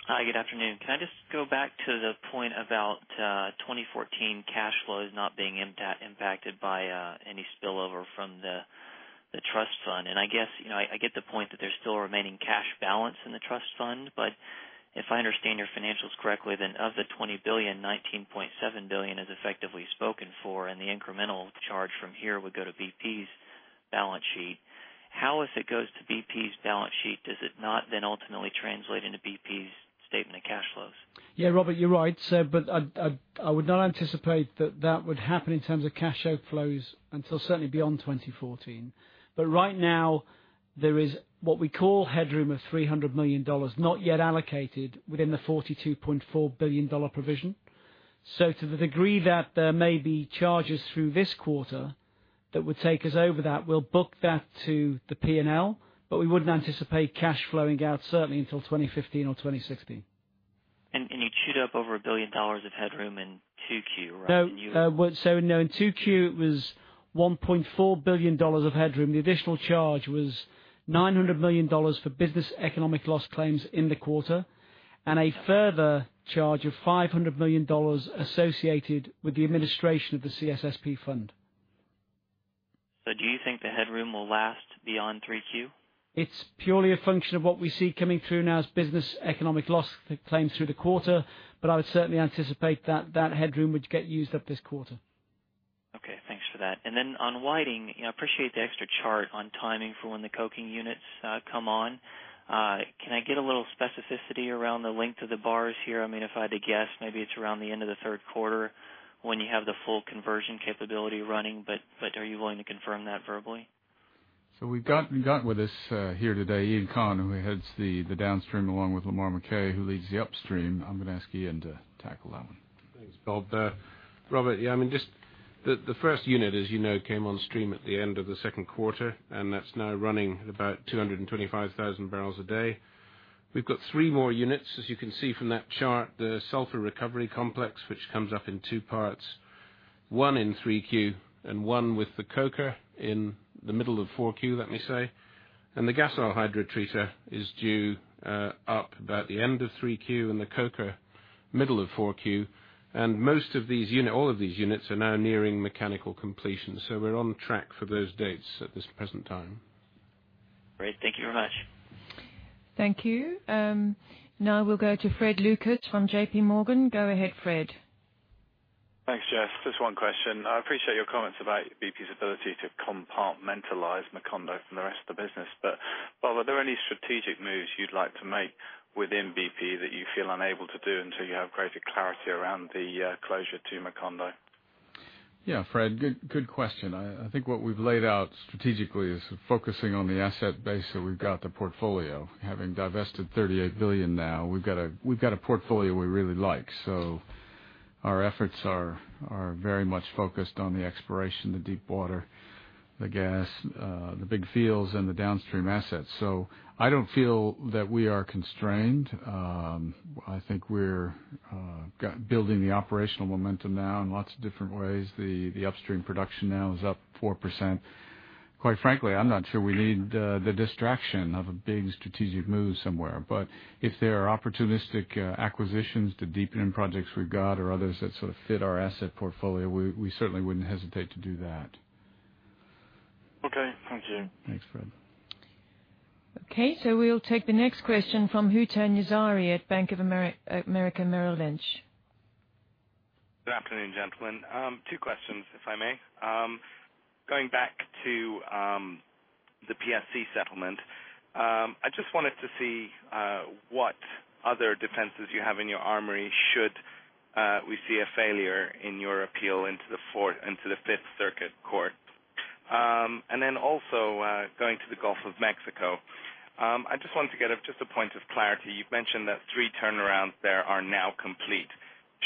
Hi, good afternoon. Can I just go back to the point about 2014 cash flows not being impacted by any spillover from the trust fund? I guess, I get the point that there's still a remaining cash balance in the trust fund. If I understand your financials correctly, then of the $20 billion, $19.7 billion is effectively spoken for, and the incremental charge from here would go to BP's balance sheet. How, if it goes to BP's balance sheet, does it not then ultimately translate into BP's statement of cash flows? Yeah, Robert, you're right. I would not anticipate that that would happen in terms of cash outflows until certainly beyond 2014. Right now, there is what we call headroom of $300 million, not yet allocated within the $42.4 billion provision. To the degree that there may be charges through this quarter that would take us over that, we'll book that to the P&L, but we wouldn't anticipate cash flowing out certainly until 2015 or 2016. You chewed up over GBP 1 billion of headroom in Q2, right? No. In Q2 it was GBP 1.4 billion of headroom. The additional charge was GBP 900 million for Business Economic Loss claims in the quarter, and a further charge of GBP 500 million associated with the administration of the CSSP fund. Do you think the headroom will last beyond Q3? It's purely a function of what we see coming through now as Business Economic Loss claims through the quarter, but I would certainly anticipate that that headroom would get used up this quarter. Okay, thanks for that. On Whiting, I appreciate the extra chart on timing for when the coking units come on. Can I get a little specificity around the length of the bars here? If I had to guess, maybe it's around the end of the third quarter when you have the full conversion capability running. Are you willing to confirm that verbally? We've got with us here today, Iain Conn, who heads the downstream, along with Lamar McKay, who leads the upstream. I'm going to ask Iain to tackle that one. Thanks, Bob. Robert, the first unit, as you know, came on stream at the end of the second quarter, and that's now running at about 225,000 barrels a day. We've got three more units, as you can see from that chart, the sulfur recovery complex, which comes up in two parts, one in Q3 and one with the coker in the middle of Q4, let me say. The gas oil hydrotreater is due up about the end of Q3 and the coker, middle of Q4. All of these units are now nearing mechanical completion. We're on track for those dates at this present time. Great. Thank you very much. Thank you. We'll go to Fred Lucas from J.P. Morgan. Go ahead, Fred. Thanks, Jess. Just one question. I appreciate your comments about BP's ability to compartmentalize Macondo from the rest of the business. Bob, are there any strategic moves you'd like to make within BP that you feel unable to do until you have greater clarity around the closure to Macondo? Yeah, Fred, good question. I think what we've laid out strategically is focusing on the asset base that we've got the portfolio. Having divested 38 billion now, we've got a portfolio we really like. Our efforts are very much focused on the exploration, the deep water, the gas, the big fields, and the downstream assets. I don't feel that we are constrained. I think we're building the operational momentum now in lots of different ways. The upstream production now is up 4%. Quite frankly, I'm not sure we need the distraction of a big strategic move somewhere. If there are opportunistic acquisitions to deepen in projects we've got or others that sort of fit our asset portfolio, we certainly wouldn't hesitate to do that. Okay. Thank you. Thanks, Fred. Okay, we'll take the next question from Hootan Yazhari at Bank of America Merrill Lynch. Good afternoon, gentlemen. Two questions, if I may. Going back to the PSC settlement. I just wanted to see what other defenses you have in your armory should we see a failure in your appeal into the Fifth Circuit Court. Then also, going to the Gulf of Mexico, I just wanted to get just a point of clarity. You've mentioned that three turnarounds there are now complete.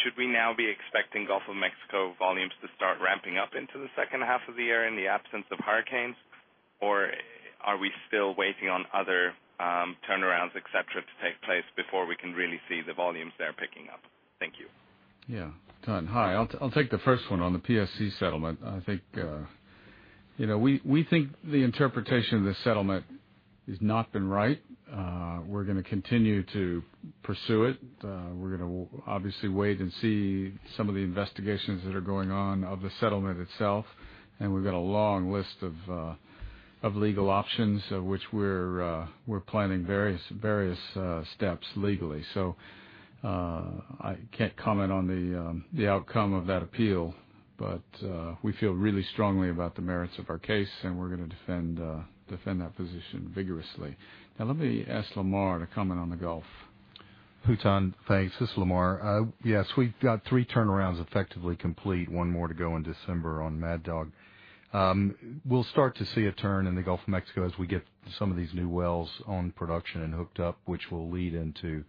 Should we now be expecting Gulf of Mexico volumes to start ramping up into the second half of the year in the absence of hurricanes? Are we still waiting on other turnarounds, et cetera, to take place before we can really see the volumes there picking up? Thank you. Yeah. Hootan, hi. I'll take the first one on the PSC settlement. We think the interpretation of the settlement has not been right. We're going to continue to pursue it. We're going to obviously wait and see some of the investigations that are going on of the settlement itself. We've got a long list of legal options, of which we're planning various steps legally. I can't comment on the outcome of that appeal. We feel really strongly about the merits of our case, and we're going to defend that position vigorously. Now let me ask Lamar to comment on the Gulf. Hootan, thanks. This is Lamar. Yes, we've got three turnarounds effectively complete, one more to go in December on Mad Dog. We'll start to see a turn in the Gulf of Mexico as we get some of these new wells on production and hooked up, which will lead into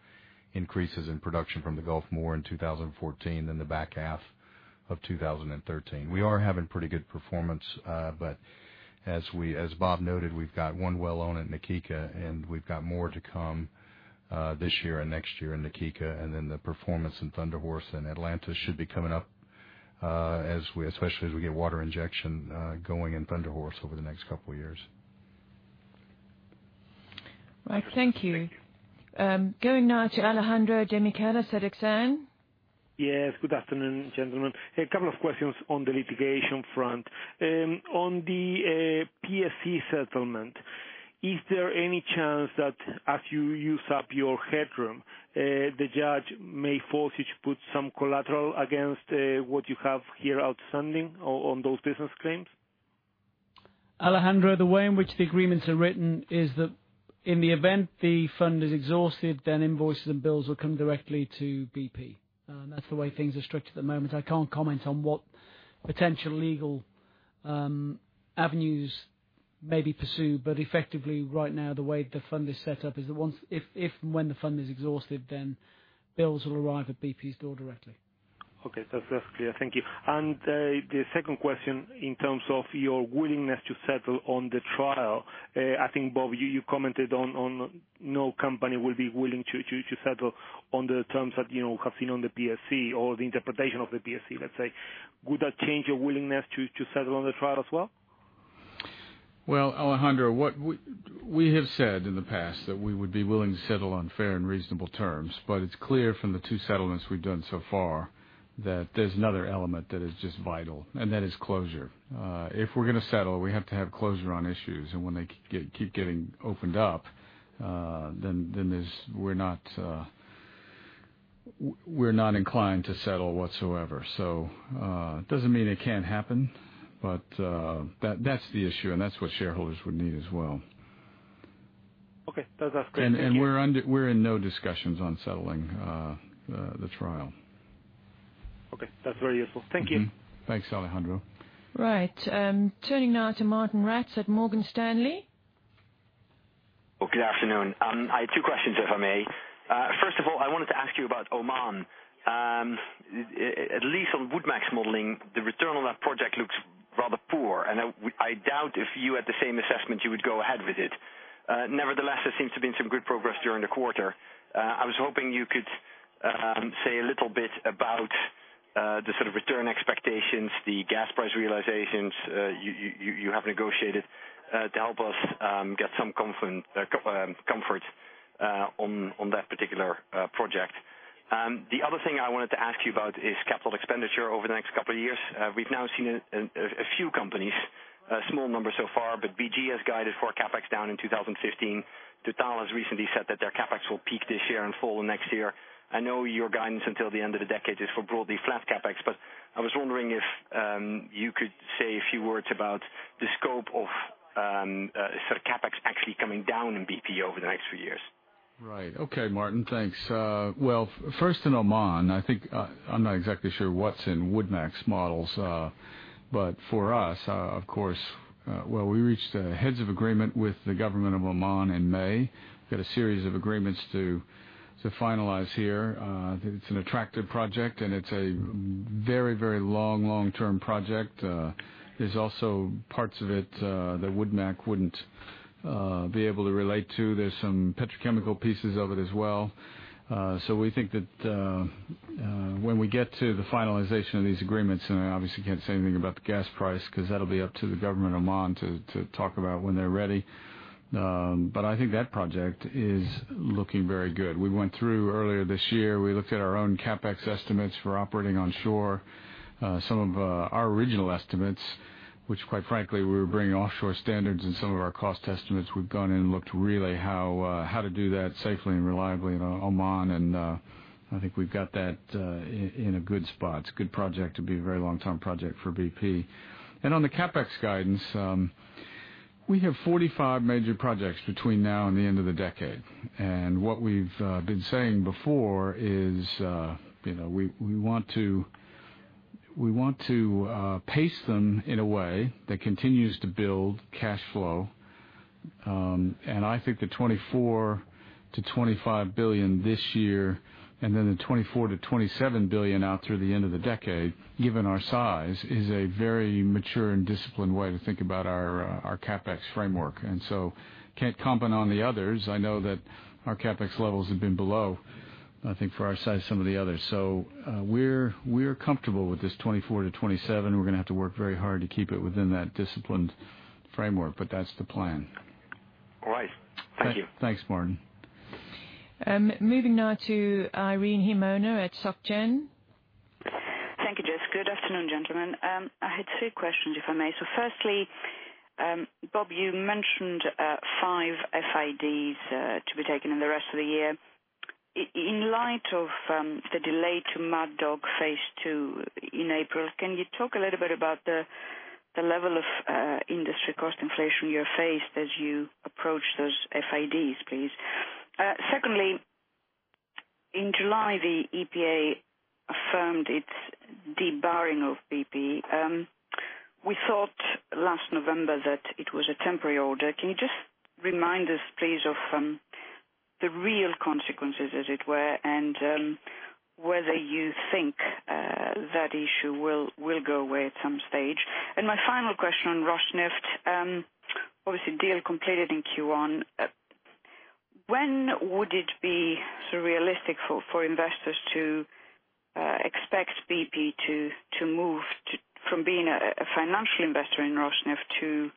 increases in production from the Gulf more in 2014 than the back half of 2013. We are having pretty good performance, but as Bob noted, we've got one well owned in the Na Kika, and we've got more to come this year and next year in the Na Kika, and then the performance in Thunder Horse and Atlantis should be coming up, especially as we get water injection going in Thunder Horse over the next couple of years. Right. Thank you. Thank you. Going now to Alejandro de Nicolas at Exane. Yes. Good afternoon, gentlemen. A couple of questions on the litigation front. On the PSC settlement, is there any chance that as you use up your headroom, the judge may force you to put some collateral against what you have here outstanding on those business claims? Alejandro, the way in which the agreements are written is that in the event the fund is exhausted, then invoices and bills will come directly to BP. That's the way things are structured at the moment. I can't comment on what potential legal avenues may be pursued, but effectively, right now, the way the fund is set up is if and when the fund is exhausted, then bills will arrive at BP's door directly. Okay. That's clear. Thank you. The second question, in terms of your willingness to settle on the trial, I think, Bob, you commented on no company will be willing to settle on the terms that have been on the PSC or the interpretation of the PSC, let's say. Would that change your willingness to settle on the trial as well? Well, Alejandro, we have said in the past that we would be willing to settle on fair and reasonable terms, but it's clear from the two settlements we've done so far that there's another element that is just vital, and that is closure. If we're going to settle, we have to have closure on issues. When they keep getting opened up, then we're not inclined to settle whatsoever. It doesn't mean it can't happen, but that's the issue, and that's what shareholders would need as well. Okay. That's clear. Thank you. We're in no discussions on settling the trial. Okay. That's very useful. Thank you. Thanks, Alejandro. Right. Turning now to Martijn Rats at Morgan Stanley. Good afternoon. I have two questions, if I may. First of all, I wanted to ask you about Oman. At least on WoodMac's modeling, the return on that project looks rather poor, and I doubt if you had the same assessment you would go ahead with it. There seems to have been some good progress during the quarter. I was hoping you could say a little bit about the sort of return expectations, the gas price realizations you have negotiated to help us get some comfort on that particular project. The other thing I wanted to ask you about is capital expenditure over the next couple of years. We've now seen a few companies, a small number so far, but BG has guided for CapEx down in 2015. Total has recently said that their CapEx will peak this year and fall next year. I know your guidance until the end of the decade is for broadly flat CapEx, but I was wondering if you could say a few words about the scope of CapEx actually coming down in BP over the next few years. Right. Okay, Martijn. Thanks. Well, first in Oman, I'm not exactly sure what's in WoodMac's models. For us, of course, we reached a heads of agreement with the government of Oman in May. We've got a series of agreements to finalize here. It's an attractive project, and it's a very long-term project. There's also parts of it that WoodMac wouldn't be able to relate to. There's some petrochemical pieces of it as well. We think that when we get to the finalization of these agreements, and I obviously can't say anything about the gas price because that'll be up to the government of Oman to talk about when they're ready. I think that project is looking very good. We went through earlier this year, we looked at our own CapEx estimates for operating onshore. Some of our original estimates, which quite frankly, we were bringing offshore standards in some of our cost estimates. We've gone in and looked really how to do that safely and reliably in Oman, and I think we've got that in a good spot. It's a good project. It'll be a very long-term project for BP. On the CapEx guidance. We have 45 major projects between now and the end of the decade. What we've been saying before is we want to pace them in a way that continues to build cash flow. I think the $24 billion-$25 billion this year, then the $24 billion-$27 billion out through the end of the decade, given our size, is a very mature and disciplined way to think about our CapEx framework. Can't comment on the others. I know that our CapEx levels have been below, I think, for our size, some of the others. We're comfortable with this $24 billion-$27 billion. We're going to have to work very hard to keep it within that disciplined framework, but that's the plan. All right. Thank you. Thanks, Martijn. Moving now to Irene Himona at Société Générale. Thank you, Jess. Good afternoon, gentlemen. I had two questions, if I may. Firstly, Bob, you mentioned five FIDs to be taken in the rest of the year. In light of the delay to Mad Dog Phase 2 in April, can you talk a little bit about the level of industry cost inflation you have faced as you approach those FIDs, please? Secondly, in July, the EPA affirmed its debarring of BP. We thought last November that it was a temporary order. Can you just remind us, please, of the real consequences as it were, and whether you think that issue will go away at some stage? My final question on Rosneft. Obviously, deal completed in Q1. When would it be realistic for investors to expect BP to move from being a financial investor in Rosneft to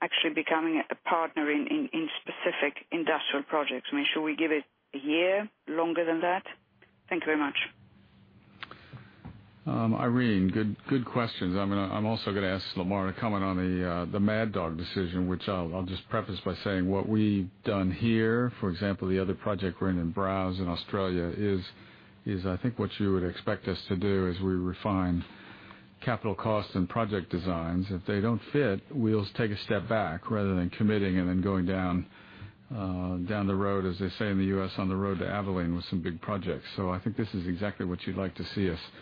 actually becoming a partner in specific industrial projects? I mean, should we give it a year? Longer than that? Thank you very much. Irene, good questions. I'm also going to ask Lamar to comment on the Mad Dog decision, which I'll just preface by saying what we've done here, for example, the other project we're in in Browse in Australia is I think what you would expect us to do is we refine capital costs and project designs. If they don't fit, we'll take a step back rather than committing and then going down the road, as they say in the U.S., on the road to Abilene with some big projects. I think this is exactly what you'd like to see us do.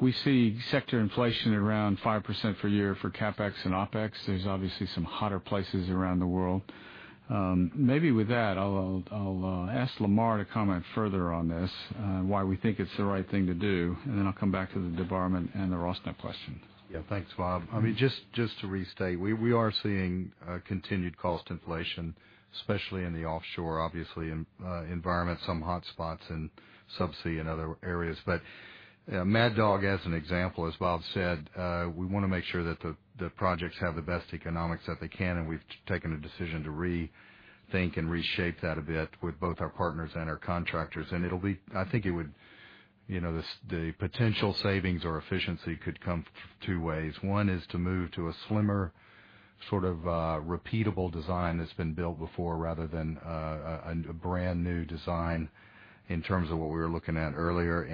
We see sector inflation around 5% per year for CapEx and OpEx. There's obviously some hotter places around the world. Maybe with that, I'll ask Lamar to comment further on this, why we think it's the right thing to do, then I'll come back to the debarment and the Rosneft question. Yeah. Thanks, Bob. Just to restate, we are seeing continued cost inflation, especially in the offshore, obviously, environment, some hotspots in subsea and other areas. Mad Dog, as an example, as Bob said, we want to make sure that the projects have the best economics that they can, and we've taken a decision to rethink and reshape that a bit with both our partners and our contractors. I think the potential savings or efficiency could come two ways. One is to move to a slimmer sort of repeatable design that's been built before rather than a brand-new design in terms of what we were looking at earlier,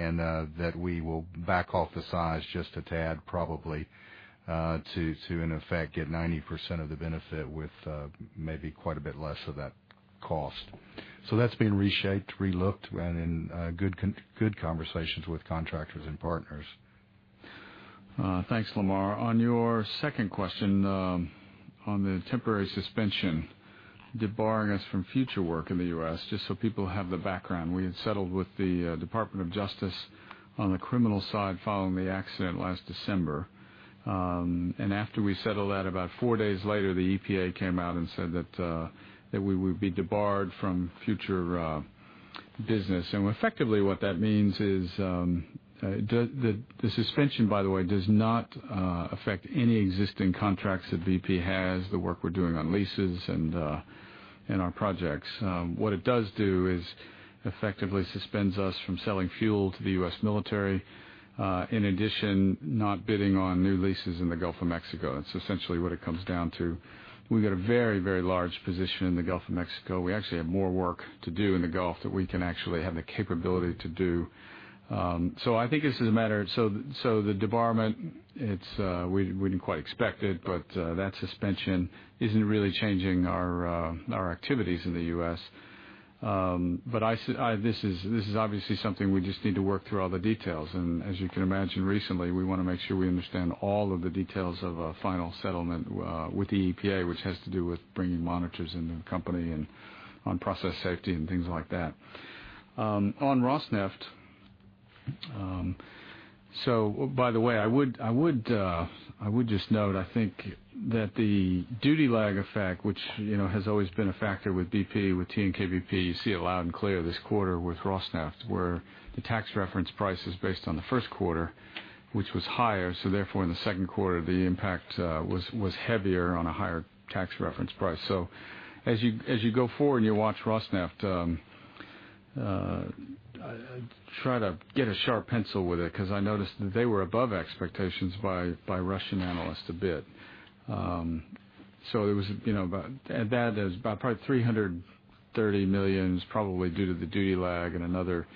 that we will back off the size just a tad probably, to in effect, get 90% of the benefit with maybe quite a bit less of that cost. That's being reshaped, re-looked, and in good conversations with contractors and partners. Thanks, Lamar. On your second question on the temporary suspension debarring us from future work in the U.S., just so people have the background, we had settled with the Department of Justice on the criminal side following the accident last December. After we settled that, about four days later, the EPA came out and said that we would be debarred from future business. Effectively what that means is the suspension, by the way, does not affect any existing contracts that BP has, the work we're doing on leases and our projects. What it does do is effectively suspends us from selling fuel to the U.S. military. In addition, not bidding on new leases in the Gulf of Mexico. That's essentially what it comes down to. We've got a very, very large position in the Gulf of Mexico. We actually have more work to do in the Gulf that we can actually have the capability to do. I think this is a matter. The debarment, we didn't quite expect it, but that suspension isn't really changing our activities in the U.S. This is obviously something we just need to work through all the details. As you can imagine, recently, we want to make sure we understand all of the details of a final settlement with the EPA, which has to do with bringing monitors into the company and on process safety and things like that. On Rosneft, by the way, I would just note, I think that the duty lag effect, which has always been a factor with BP, with TNK-BP, you see it loud and clear this quarter with Rosneft, where the tax reference price is based on the first quarter, which was higher, therefore in the second quarter, the impact was heavier on a higher tax reference price. As you go forward and you watch Rosneft, try to get a sharp pencil with it, because I noticed that they were above expectations by Russian analysts a bit. It was about probably $330 million probably due to the duty lag and another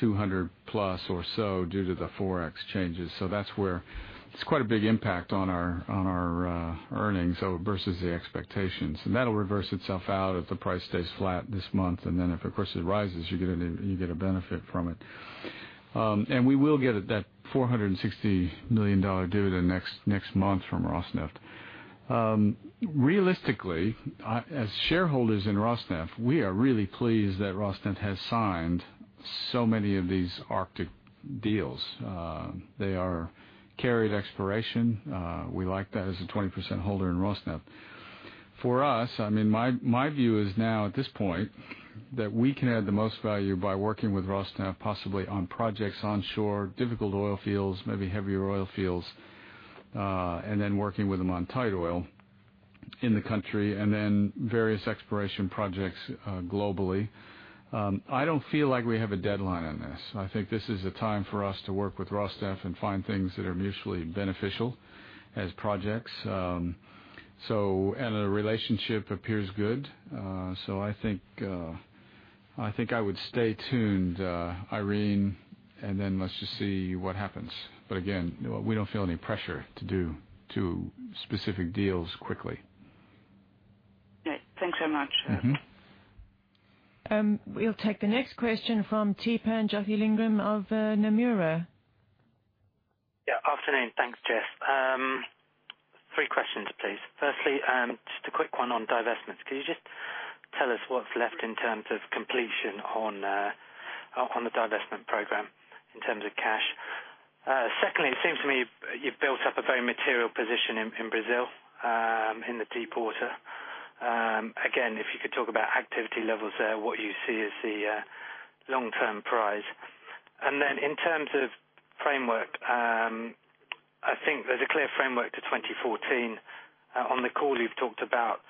200-plus or so due to the Forex changes. That's where it's quite a big impact on our earnings versus the expectations. That'll reverse itself out if the price stays flat this month. If, of course, it rises, you get a benefit from it. We will get that $460 million dividend next month from Rosneft. Realistically, as shareholders in Rosneft, we are really pleased that Rosneft has signed so many of these Arctic deals. They are carried exploration. We like that as a 20% holder in Rosneft. For us, my view is now at this point, that we can add the most value by working with Rosneft, possibly on projects onshore, difficult oil fields, maybe heavier oil fields, working with them on tight oil in the country, various exploration projects globally. I don't feel like we have a deadline on this. I think this is a time for us to work with Rosneft and find things that are mutually beneficial as projects. The relationship appears good. I think I would stay tuned, Irene, let's just see what happens. Again, we don't feel any pressure to do specific deals quickly. Okay. Thanks so much. We'll take the next question from Theepan Jothilingam of Nomura. Yeah. Afternoon. Thanks, Jess. Three questions, please. Firstly, just a quick one on divestments. Can you just tell us what's left in terms of completion on the divestment program in terms of cash? Secondly, it seems to me you've built up a very material position in Brazil, in the deepwater. Again, if you could talk about activity levels there, what you see as the long-term prize. In terms of framework, I think there's a clear framework to 2014. On the call, you've talked about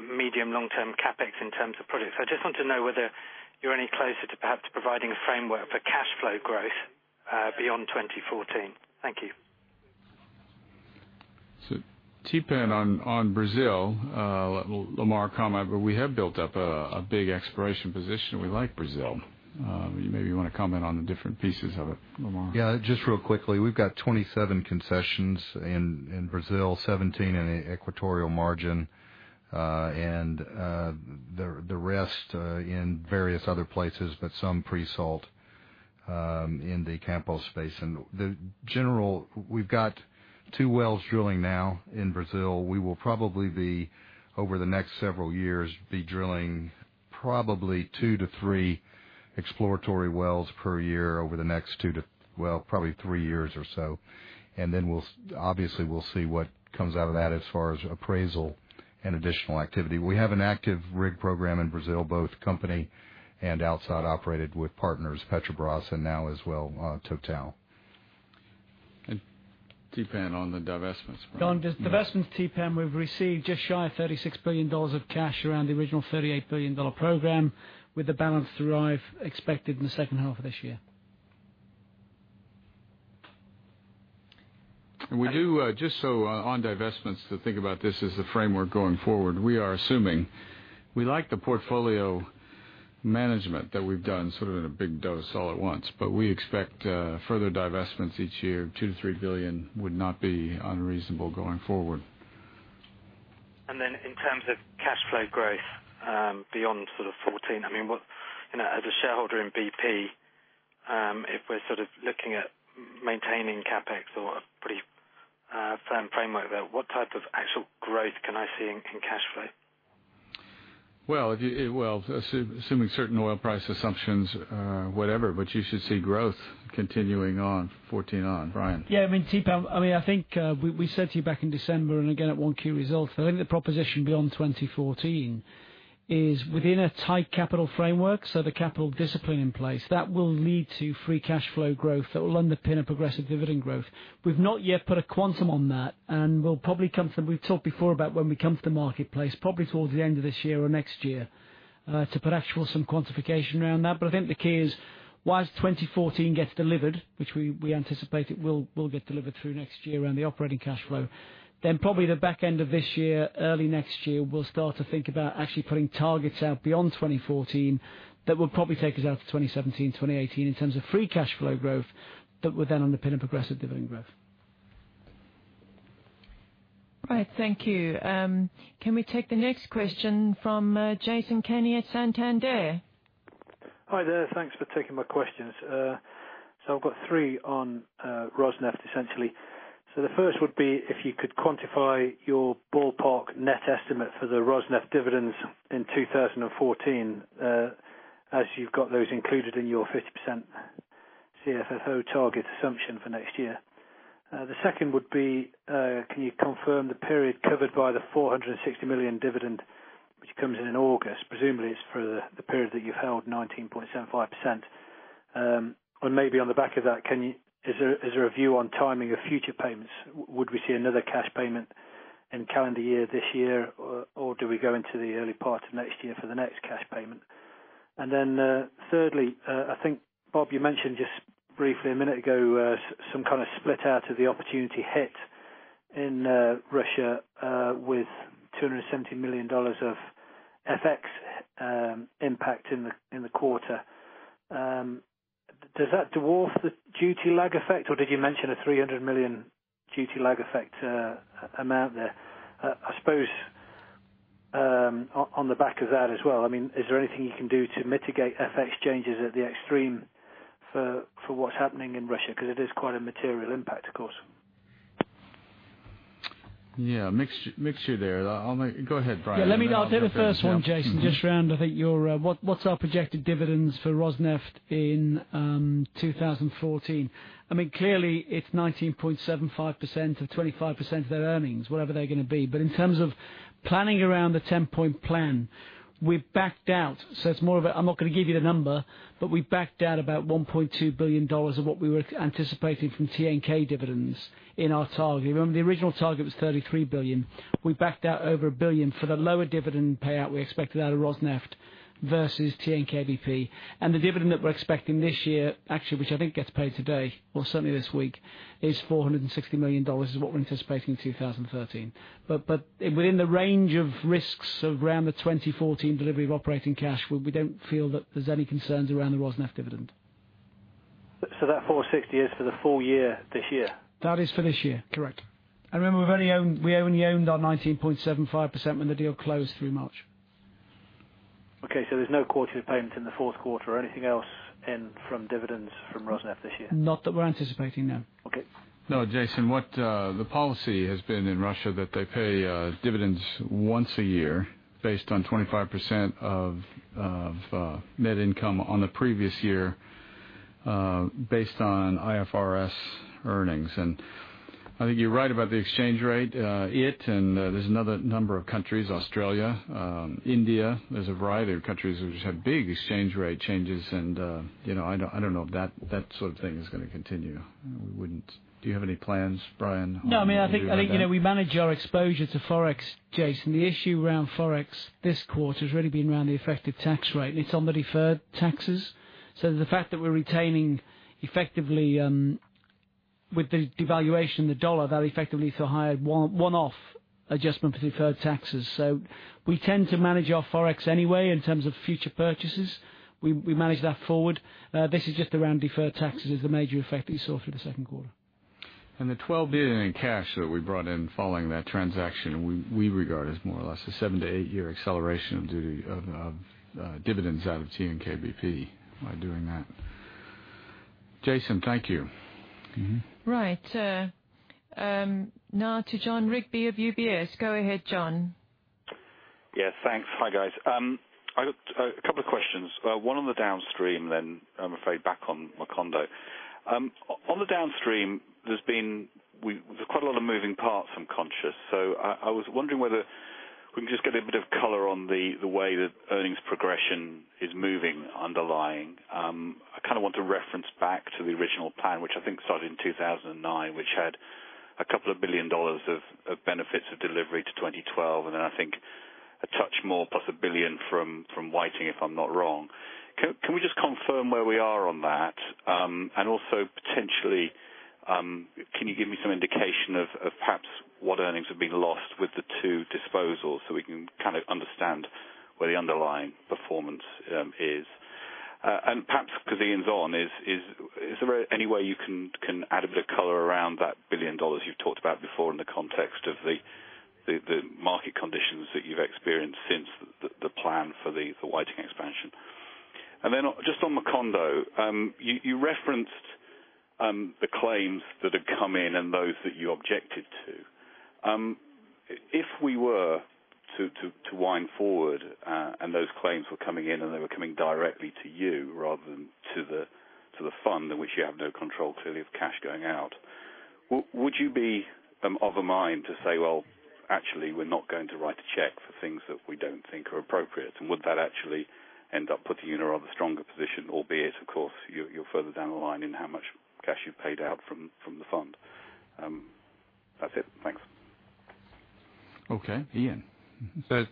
medium, long-term CapEx in terms of projects. I just want to know whether you're any closer to perhaps providing a framework for cash flow growth beyond 2014. Thank you. Theepan, on Brazil, Lamar, come up, we have built up a big exploration position. We like Brazil. You maybe want to comment on the different pieces of it, Lamar. just real quickly. We've got 27 concessions in Brazil, 17 in the equatorial margin, and the rest in various other places, but some pre-salt in the Campos space. We've got two wells drilling now in Brazil. We will probably over the next several years, be drilling probably two to three exploratory wells per year over the next two to, well, probably three years or so. Obviously we'll see what comes out of that as far as appraisal and additional activity. We have an active rig program in Brazil, both company and outside operated with partners, Petrobras, and now as well, Total. Theepan, on the divestments. On divestments, Theepan, we've received just shy of $36 billion of cash around the original $38 billion program, with the balance to arrive expected in the second half of this year. We do, just so on divestments, to think about this as the framework going forward, we are assuming we like the portfolio management that we've done sort of in a big dose all at once. We expect further divestments each year. $2 billion-$3 billion would not be unreasonable going forward. Then in terms of cash flow growth beyond sort of 2014, as a shareholder in BP, if we're sort of looking at maintaining CapEx or a pretty firm framework there, what type of actual growth can I see in cash flow? Well, assuming certain oil price assumptions, whatever, you should see growth continuing on, 2014 on. Brian? Yeah, Theepan, I think we said to you back in December and again at 1Q result, I think the proposition beyond 2014 is within a tight capital framework, so the capital discipline in place, that will lead to free cash flow growth that will underpin a progressive dividend growth. We've not yet put a quantum on that, and we'll probably come to them. We've talked before about when we come to the marketplace, probably towards the end of this year or next year, to put actual some quantification around that. I think the key is, whilst 2014 gets delivered, which we anticipate it will get delivered through next year around the operating cash flow, then probably the back end of this year, early next year, we'll start to think about actually putting targets out beyond 2014 that will probably take us out to 2017, 2018 in terms of free cash flow growth that would then underpin a progressive dividend growth. All right. Thank you. Can we take the next question from Jason Kenney at Santander? Hi there. Thanks for taking my questions. I've got three on Rosneft, essentially. The first would be if you could quantify your ballpark net estimate for the Rosneft dividends in 2014, as you've got those included in your 50% CFFO target assumption for next year. The second would be, can you confirm the period covered by the $460 million dividend which comes in in August? Presumably, it's for the period that you've held 19.75%. Maybe on the back of that, is there a view on timing of future payments? Would we see another cash payment in calendar year this year, or do we go into the early part of next year for the next cash payment? Thirdly, I think, Bob, you mentioned just briefly a minute ago, some kind of split out of the opportunity hit in Russia with GBP 270 million of FX impact in the quarter. Does that dwarf the duty lag effect, or did you mention a 300 million duty lag effect amount there? I suppose on the back of that as well, is there anything you can do to mitigate FX changes at the extreme for what's happening in Russia? Because it is quite a material impact, of course. Yeah. Mixture there. Go ahead, Brian. Let me take the first one, Jason, just around, I think what is our projected dividends for Rosneft in 2014. Clearly, it's 19.75% of 25% of their earnings, whatever they're going to be. In terms of planning around the 10-point plan, we've backed out. I'm not going to give you the number, but we backed out about $1.2 billion of what we were anticipating from TNK dividends in our target. Remember, the original target was $33 billion. We backed out over $1 billion for the lower dividend payout we expected out of Rosneft versus TNK-BP. The dividend that we're expecting this year, actually, which I think gets paid today or certainly this week, is $460 million is what we're anticipating in 2013. Within the range of risks around the 2014 delivery of operating cash, we don't feel that there's any concerns around the Rosneft dividend. That 460 is for the full year this year? That is for this year, correct. Remember, we only owned our 19.75% when the deal closed through March. Okay. There's no quarter payment in the fourth quarter or anything else in from dividends from Rosneft this year? Not that we're anticipating, no. Okay. No, Jason. What the policy has been in Russia, that they pay dividends once a year based on 25% of net income on the previous year, based on IFRS earnings. I think you're right about the exchange rate, it and there's another number of countries, Australia, India. There's a variety of countries which have had big exchange rate changes and I don't know if that sort of thing is going to continue. Do you have any plans, Brian? No. I think we manage our exposure to Forex, Jason. The issue around Forex this quarter has really been around the effective tax rate, and it's on the deferred taxes. The fact that we're retaining effectively with the devaluation of the dollar, that effectively is a higher one-off adjustment for deferred taxes. We tend to manage our Forex anyway in terms of future purchases. We manage that forward. This is just around deferred taxes as the major effect that you saw through the second quarter. The $12 billion in cash that we brought in following that transaction, we regard as more or less a seven to eight-year acceleration of dividends out of TNK-BP by doing that. Jason, thank you. Mm-hmm. Right. Now to Jon Rigby of UBS. Go ahead, Jon. Yes, thanks. Hi, guys. I've got a couple of questions. One on the downstream, then I'm afraid back on Macondo. On the downstream, there's quite a lot of moving parts, I'm conscious. I was wondering whether we can just get a bit of color on the way that earnings progression is moving underlying. I want to reference back to the original plan, which I think started in 2009, which had a couple of billion dollars of benefits of delivery to 2012, and then I think a touch more, plus $1 billion from Whiting, if I'm not wrong. Can we just confirm where we are on that? Also potentially, can you give me some indication of perhaps what earnings have been lost with the two disposals so we can understand where the underlying performance is? Perhaps because Iain's on, is there any way you can add a bit of color around that $1 billion you've talked about before in the context of the market conditions that you've experienced since the plan for the Whiting expansion? Then just on Macondo, you referenced the claims that had come in and those that you objected to. If we were to wind forward and those claims were coming in and they were coming directly to you rather than to the fund in which you have no control, clearly of cash going out, would you be of a mind to say, "Well, actually, we're not going to write a check for things that we don't think are appropriate." Would that actually end up putting you in a rather stronger position, albeit, of course, you're further down the line in how much cash you've paid out from the fund? That's it. Thanks. Okay, Iain.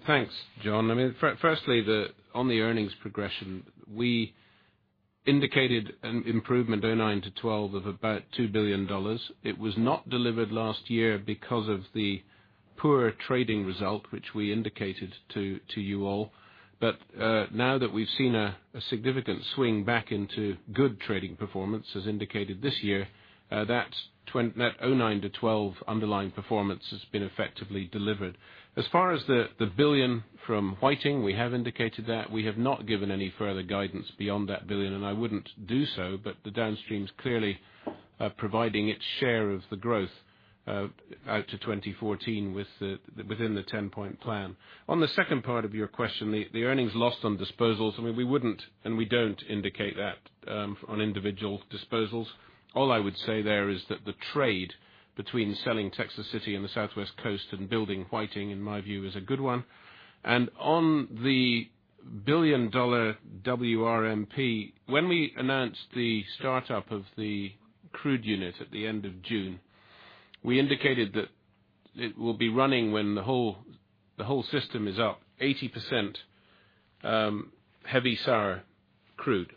Thanks, Jon. Firstly, on the earnings progression, we indicated an improvement 2009 to 2012 of about $2 billion. It was not delivered last year because of the poor trading result, which we indicated to you all. Now that we've seen a significant swing back into good trading performance, as indicated this year, that 2009 to 2012 underlying performance has been effectively delivered. As far as the $1 billion from Whiting, we have indicated that. We have not given any further guidance beyond that $1 billion, and I wouldn't do so. The downstream's clearly providing its share of the growth out to 2014 within the 10-point plan. On the second part of your question, the earnings lost on disposals, we wouldn't and we don't indicate that on individual disposals. All I would say there is that the trade between selling Texas City and the Southwest Coast and building Whiting, in my view, is a good one. On the $1 billion WRMP, when we announced the startup of the crude unit at the end of June, we indicated that it will be running when the whole system is up 80% heavy sour crude.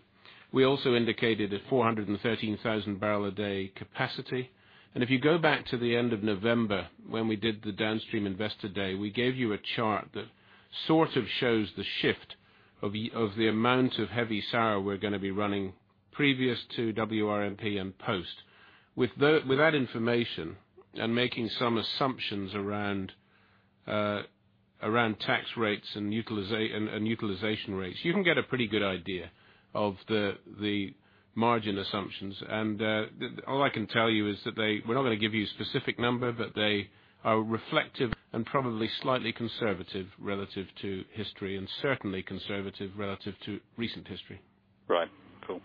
We also indicated a 413,000 barrel a day capacity. If you go back to the end of November, when we did the Downstream Investor Day, we gave you a chart that sort of shows the shift of the amount of heavy sour we're going to be running previous to WRMP and post. With that information and making some assumptions around tax rates and utilization rates, you can get a pretty good idea of the margin assumptions. All I can tell you is that we're not going to give you a specific number, but they are reflective and probably slightly conservative relative to history and certainly conservative relative to recent history. Right. Cool.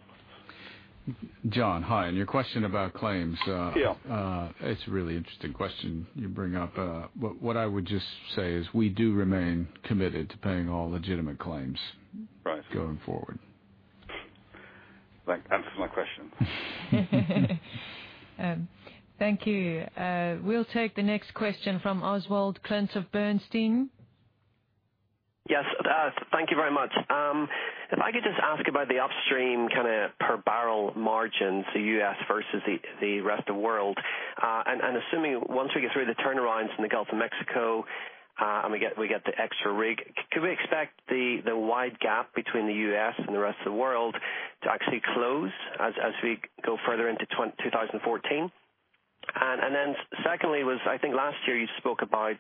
Jon, hi. Your question about claims. Yeah It's a really interesting question you bring up. What I would just say is we do remain committed to paying all legitimate claims. Right going forward. That answers my question. Thank you. We'll take the next question from Oswald Clint of Bernstein. Yes. Thank you very much. If I could just ask about the upstream kind of per barrel margins, the U.S. versus the rest of world. Assuming once we get through the turnarounds in the Gulf of Mexico, and we get the extra rig, could we expect the wide gap between the U.S. and the rest of the world to actually close as we go further into 2014? Secondly was, I think last year you spoke about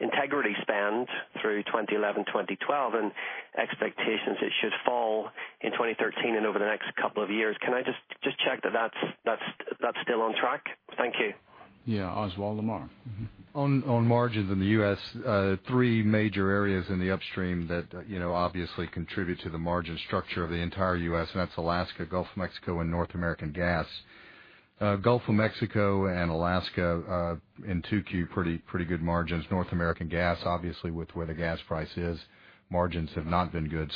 integrity spend through 2011, 2012, and expectations it should fall in 2013 and over the next couple of years. Can I just check that that's still on track? Thank you. Yeah. Oswald, Lamar. On margins in the U.S., three major areas in the upstream that obviously contribute to the margin structure of the entire U.S., and that's Alaska, Gulf of Mexico, and North American gas. Gulf of Mexico and Alaska in 2Q, pretty good margins. North American gas, obviously with where the gas price is, margins have not been good.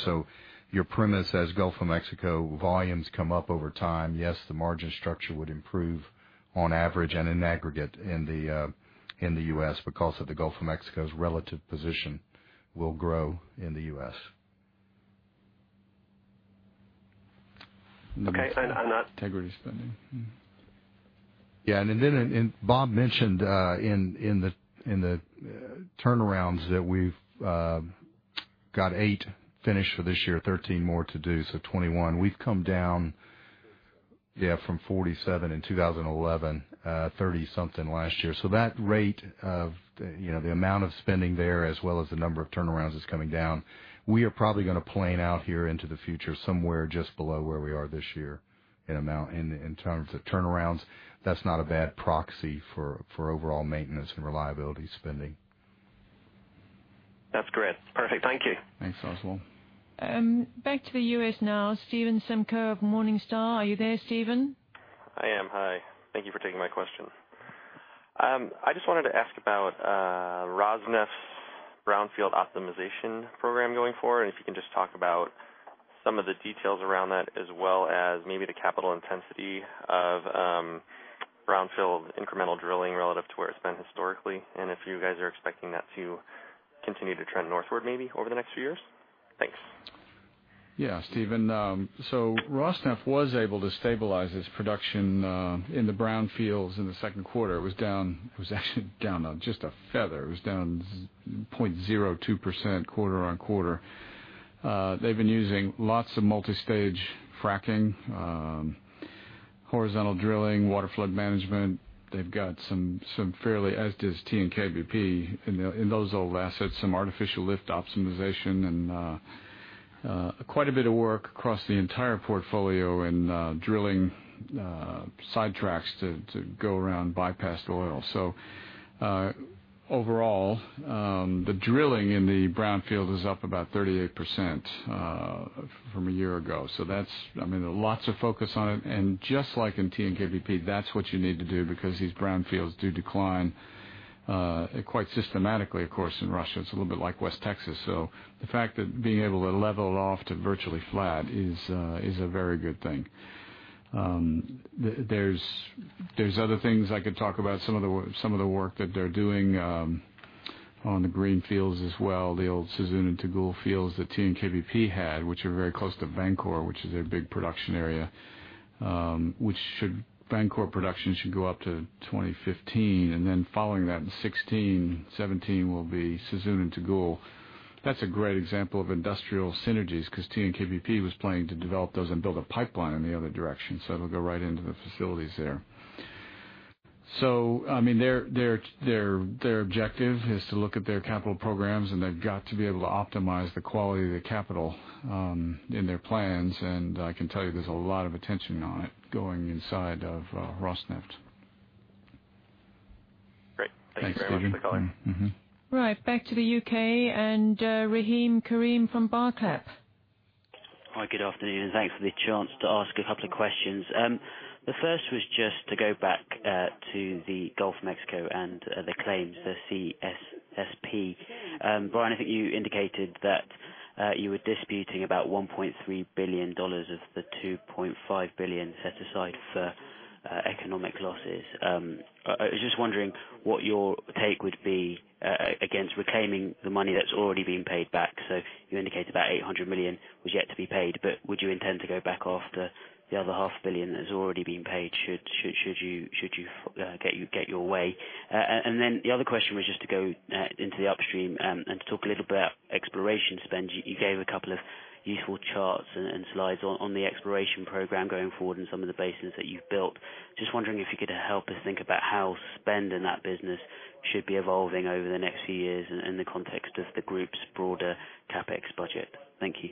Your premise as Gulf of Mexico volumes come up over time, yes, the margin structure would improve on average and in aggregate in the U.S. because of the Gulf of Mexico's relative position will grow in the U.S. Okay. Integrity spending. Bob mentioned in the turnarounds that we've got eight finished for this year, 13 more to do, so 21. We've come down from 47 in 2011, 30 something last year. That rate of the amount of spending there, as well as the number of turnarounds is coming down. We are probably going to plane out here into the future somewhere just below where we are this year in terms of turnarounds. That's not a bad proxy for overall maintenance and reliability spending. That's great. Perfect. Thank you. Thanks, Oswald. Back to the U.S. now. Stephen Simko of Morningstar. Are you there, Stephen? I am. Hi. Thank you for taking my question. I just wanted to ask about Rosneft's brownfield optimization program going forward, and if you can just talk about some of the details around that as well as maybe the capital intensity of brownfield incremental drilling relative to where it's been historically, and if you guys are expecting that to continue to trend northward, maybe over the next few years. Thanks. Yeah, Stephen. Rosneft was able to stabilize its production in the brownfields in the second quarter. It was actually down on just a feather. It was down 0.02% quarter on quarter. They've been using lots of multi-stage fracking, horizontal drilling, water flood management. They've got some fairly, as does TNK-BP, in those old assets, some artificial lift optimization and quite a bit of work across the entire portfolio in drilling sidetracks to go around bypassed oil. Overall, the drilling in the brownfield is up about 38% from a year ago. That's lots of focus on it, and just like in TNK-BP, that's what you need to do because these brownfields do decline quite systematically, of course, in Russia. It's a little bit like West Texas. The fact that being able to level off to virtually flat is a very good thing. There's other things I could talk about, some of the work that they're doing on the greenfields as well, the old Suzun and Tagul fields that TNK-BP had, which are very close to Vankor, which is their big production area. Vankor production should go up to 2015, and then following that in 2016, 2017 will be Suzun and Tagul. That's a great example of industrial synergies because TNK-BP was planning to develop those and build a pipeline in the other direction. It'll go right into the facilities there. Their objective is to look at their capital programs, and they've got to be able to optimize the quality of the capital in their plans. I can tell you there's a lot of attention on it going inside of Rosneft. Great. Thank you very much for the call. Thanks, Stephen. Right. Back to the U.K. Rahim Karim from Barclays. Hi, good afternoon, thanks for the chance to ask a couple of questions. The first was just to go back to the Gulf of Mexico and the claims, the CSSP. Brian, I think you indicated that you were disputing about $1.3 billion of the $2.5 billion set aside for economic losses. I was just wondering what your take would be against reclaiming the money that's already been paid back. So you indicated about $800 million was yet to be paid, but would you intend to go back after the other half billion that has already been paid, should you get your way? Then the other question was just to go into the upstream and to talk a little about exploration spend. You gave a couple of useful charts and slides on the exploration program going forward in some of the basins that you've built. Just wondering if you could help us think about how spend in that business should be evolving over the next few years in the context of the group's broader CapEx budget. Thank you.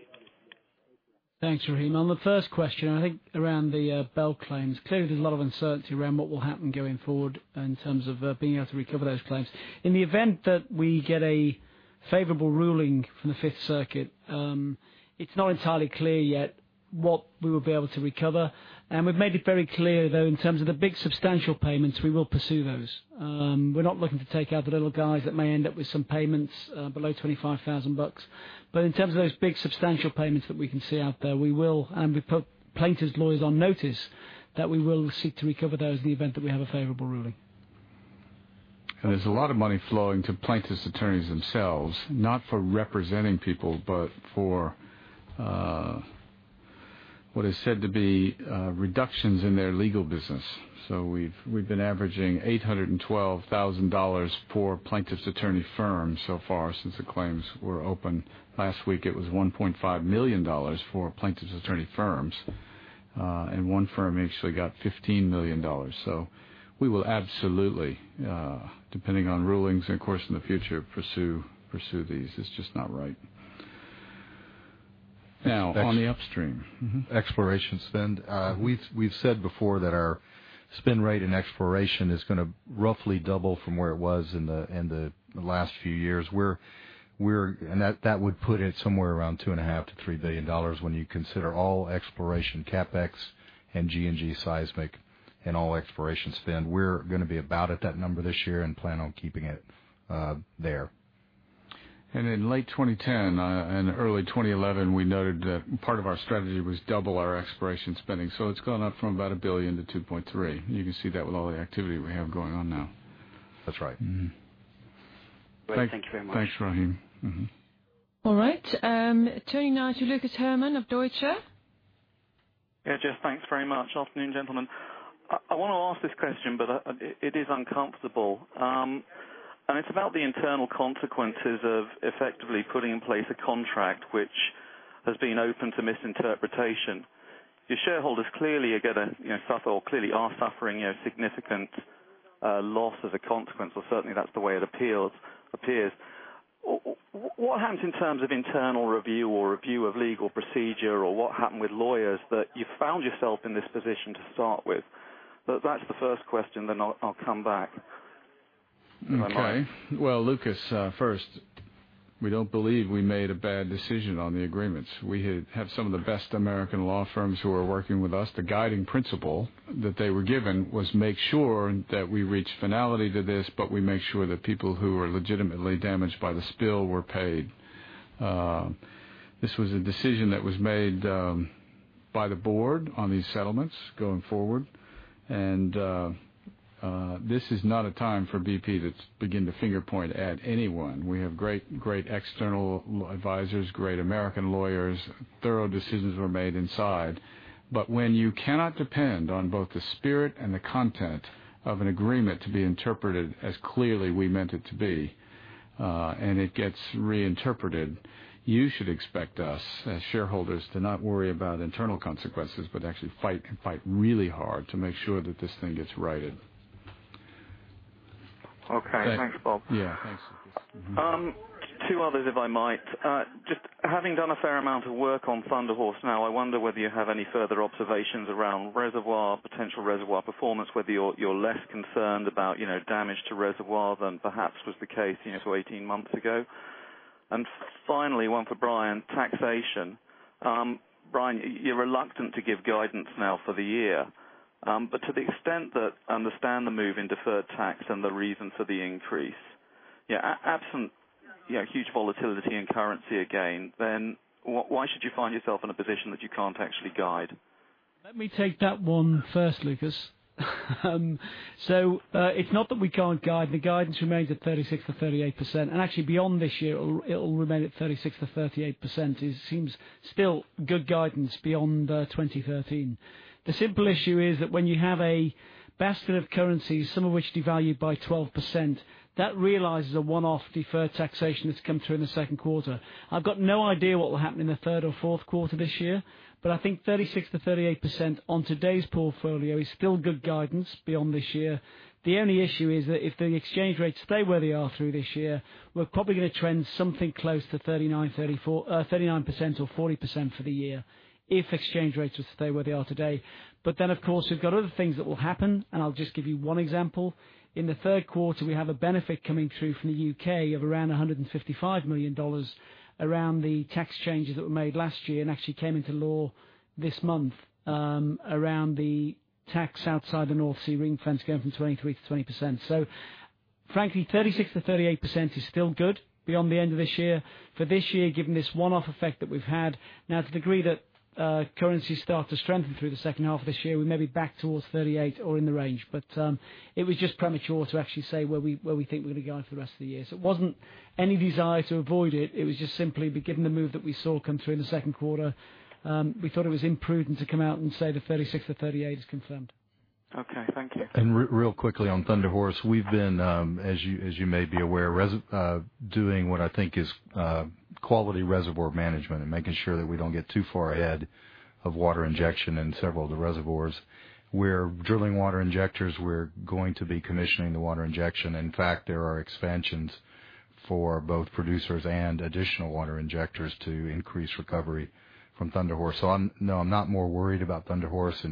Thanks, Rahim. On the first question, I think around the BEL claims, clearly there's a lot of uncertainty around what will happen going forward in terms of being able to recover those claims. In the event that we get a favorable ruling from the Fifth Circuit, it's not entirely clear yet what we will be able to recover. We've made it very clear, though, in terms of the big, substantial payments, we will pursue those. We're not looking to take out the little guys that may end up with some payments below $25,000. In terms of those big, substantial payments that we can see out there, we will, and we put plaintiffs' lawyers on notice that we will seek to recover those in the event that we have a favorable ruling. There's a lot of money flowing to plaintiffs' attorneys themselves, not for representing people, but for what is said to be reductions in their legal business. We've been averaging $812,000 for plaintiffs' attorney firms so far since the claims were open. Last week, it was $1.5 million for plaintiffs' attorney firms. One firm actually got $15 million. We will absolutely, depending on rulings, and of course, in the future, pursue these. It's just not right. Now, on the upstream. Exploration spend. We've said before that our spend rate in exploration is going to roughly double from where it was in the last few years. That would put it somewhere around $2.5 billion-$3 billion when you consider all exploration CapEx and G&G seismic and all exploration spend. We're going to be about at that number this year and plan on keeping it there. In late 2010 and early 2011, we noted that part of our strategy was double our exploration spending. It's gone up from about $1 billion to $2.3 billion. You can see that with all the activity we have going on now. That's right. Thank you very much. Thanks, Rahim. All right. Turning now to Lucas Herrmann of Deutsche. Thanks very much. Afternoon, gentlemen. I want to ask this question, it is uncomfortable. It's about the internal consequences of effectively putting in place a contract which has been open to misinterpretation. Your shareholders clearly are suffering a significant loss as a consequence, or certainly that's the way it appears. What happens in terms of internal review or review of legal procedure, or what happened with lawyers that you found yourself in this position to start with? That's the first question, I'll come back. Okay. Well, Lucas, first, we don't believe we made a bad decision on the agreements. We have some of the best American law firms who are working with us. The guiding principle that they were given was make sure that we reach finality to this, but we make sure that people who are legitimately damaged by the spill were paid. This was a decision that was made by the board on these settlements going forward. This is not a time for BP to begin to finger-point at anyone. We have great external advisors, great American lawyers. Thorough decisions were made inside. When you cannot depend on both the spirit and the content of an agreement to be interpreted as clearly we meant it to be, and it gets reinterpreted, you should expect us as shareholders to not worry about internal consequences, but actually fight, and fight really hard to make sure that this thing gets righted. Okay. Thanks, Bob. Thanks, Lucas. Two others, if I might. Just having done a fair amount of work on Thunder Horse now, I wonder whether you have any further observations around reservoir, potential reservoir performance, whether you're less concerned about damage to reservoir than perhaps was the case 18 months ago. Finally, one for Brian, taxation. Brian, you're reluctant to give guidance now for the year. To the extent that I understand the move in deferred tax and the reason for the increase, absent huge volatility and currency again, why should you find yourself in a position that you can't actually guide? Let me take that one first, Lucas. It's not that we can't guide. The guidance remains at 36%-38%. Actually, beyond this year, it'll remain at 36%-38%. It seems still good guidance beyond 2013. The simple issue is that when you have a basket of currencies, some of which devalued by 12%, that realizes a one-off deferred taxation that's come through in the second quarter. I've got no idea what will happen in the third or fourth quarter this year, I think 36%-38% on today's portfolio is still good guidance beyond this year. The only issue is that if the exchange rates stay where they are through this year, we're probably going to trend something close to 39%-40% for the year, if exchange rates were to stay where they are today. Of course, we've got other things that will happen, and I'll just give you one example. In the third quarter, we have a benefit coming through from the U.K. of around $155 million around the tax changes that were made last year and actually came into law this month around the tax outside the North Sea ring-fence going from 23%-20%. Frankly, 36%-38% is still good beyond the end of this year. For this year, given this one-off effect that we've had, now to the degree that currencies start to strengthen through the second half of this year, we may be back towards 38% or in the range. It was just premature to actually say where we think we're going to be going for the rest of the year. It wasn't any desire to avoid it. It was just simply, given the move that we saw come through in the second quarter, we thought it was imprudent to come out and say that 36%-38% is confirmed. Okay. Thank you. Real quickly on Thunder Horse, we've been, as you may be aware, doing what I think is quality reservoir management and making sure that we don't get too far ahead of water injection in several of the reservoirs. We're drilling water injectors. We're going to be commissioning the water injection. In fact, there are expansions for both producers and additional water injectors to increase recovery from Thunder Horse. No, I'm not more worried about Thunder Horse.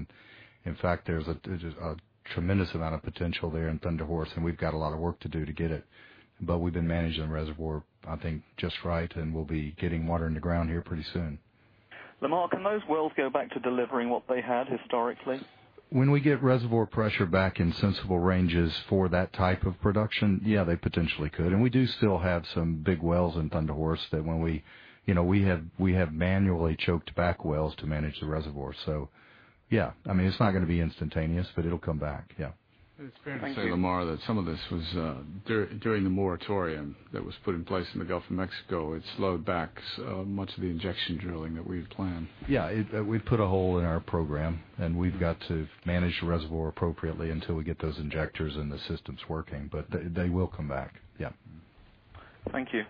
In fact, there's a tremendous amount of potential there in Thunder Horse, and we've got a lot of work to do to get it. We've been managing the reservoir, I think, just right, and we'll be getting water in the ground here pretty soon. Lamar, can those wells go back to delivering what they had historically? When we get reservoir pressure back in sensible ranges for that type of production, yeah, they potentially could. We do still have some big wells in Thunder Horse that we have manually choked back wells to manage the reservoir. Yeah, it's not going to be instantaneous, but it'll come back. Yeah. Thank you. It's fair to say, Lamar, that some of this was during the moratorium that was put in place in the Gulf of Mexico. It slowed back much of the injection drilling that we had planned. Yeah. We put a hole in our program, and we've got to manage the reservoir appropriately until we get those injectors and the systems working. They will come back. Yeah. Thank you.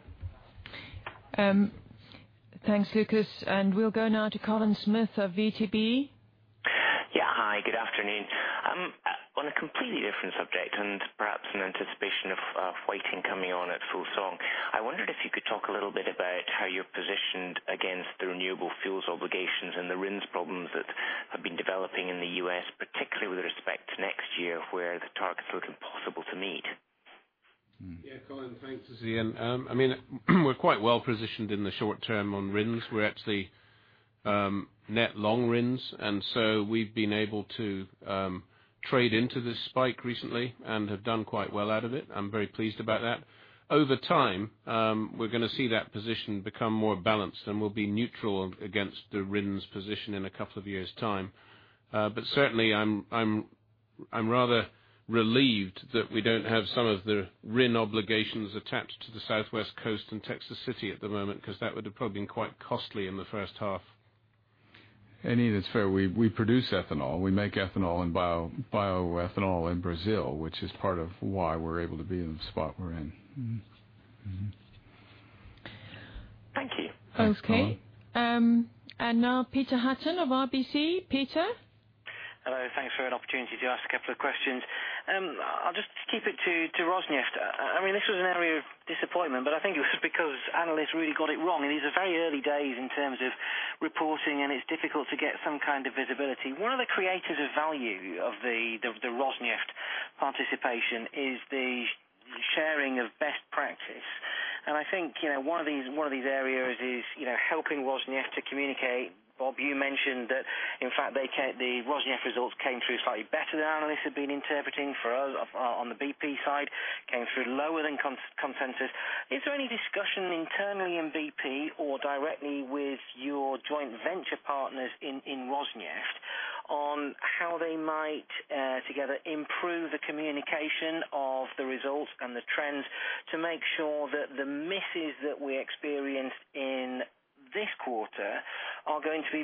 Thanks, Lucas. We'll go now to Colin Smith of VTB. Yeah. Hi, good afternoon. On a completely different subject, and perhaps in anticipation of refining coming on at full song, I wondered if you could talk a little bit about how you're positioned against the renewable fuels obligations and the RINs problems that have been developing in the U.S., particularly with respect to next year, where the targets look impossible to meet. Yeah, Colin. Thanks, it's Iain. We're quite well-positioned in the short term on RINs. We're actually net long RINs, and so we've been able to trade into this spike recently and have done quite well out of it. I'm very pleased about that. Over time, we're going to see that position become more balanced, and we'll be neutral against the RINs position in a couple of years' time. Certainly, I'm rather relieved that we don't have some of the RIN obligations attached to the Southwest coast and Texas City at the moment, because that would have probably been quite costly in the first half. Iain, it's fair. We produce ethanol. We make ethanol and bioethanol in Brazil, which is part of why we're able to be in the spot we're in. Thank you. Okay. Thanks, Colin. Now Peter Hutton of RBC. Peter? Hello. Thanks for an opportunity to ask a couple of questions. I'll just keep it to Rosneft. This was an area of disappointment, I think it was because analysts really got it wrong, These are very early days in terms of reporting, and It's difficult to get some kind of visibility. One of the creators of value of the Rosneft participation is the sharing of best practice. I think one of these areas is helping Rosneft to communicate. Bob, you mentioned that in fact, the Rosneft results came through slightly better than analysts had been interpreting. For us, on the BP side, came through lower than consensus. Is there any discussion internally in BP or directly with your joint venture partners in Rosneft on how they might together improve the communication of the results and the trends to make sure that the misses that we experienced in this quarter are going to be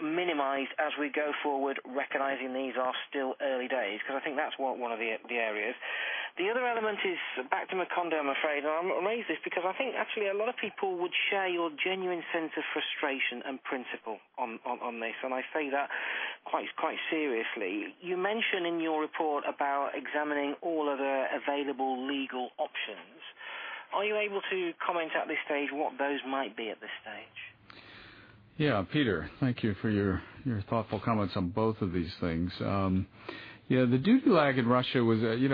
minimized as we go forward, recognizing these are still early days? I think that's one of the areas. The other element is back to Macondo, I'm afraid. I'm amazed I think actually a lot of people would share your genuine sense of frustration and principle on this, I say that quite seriously. You mention in your report about examining all other available legal options. Are you able to comment at this stage what those might be at this stage? Peter, thank you for your thoughtful comments on both of these things. The duty lag in Russia wasn't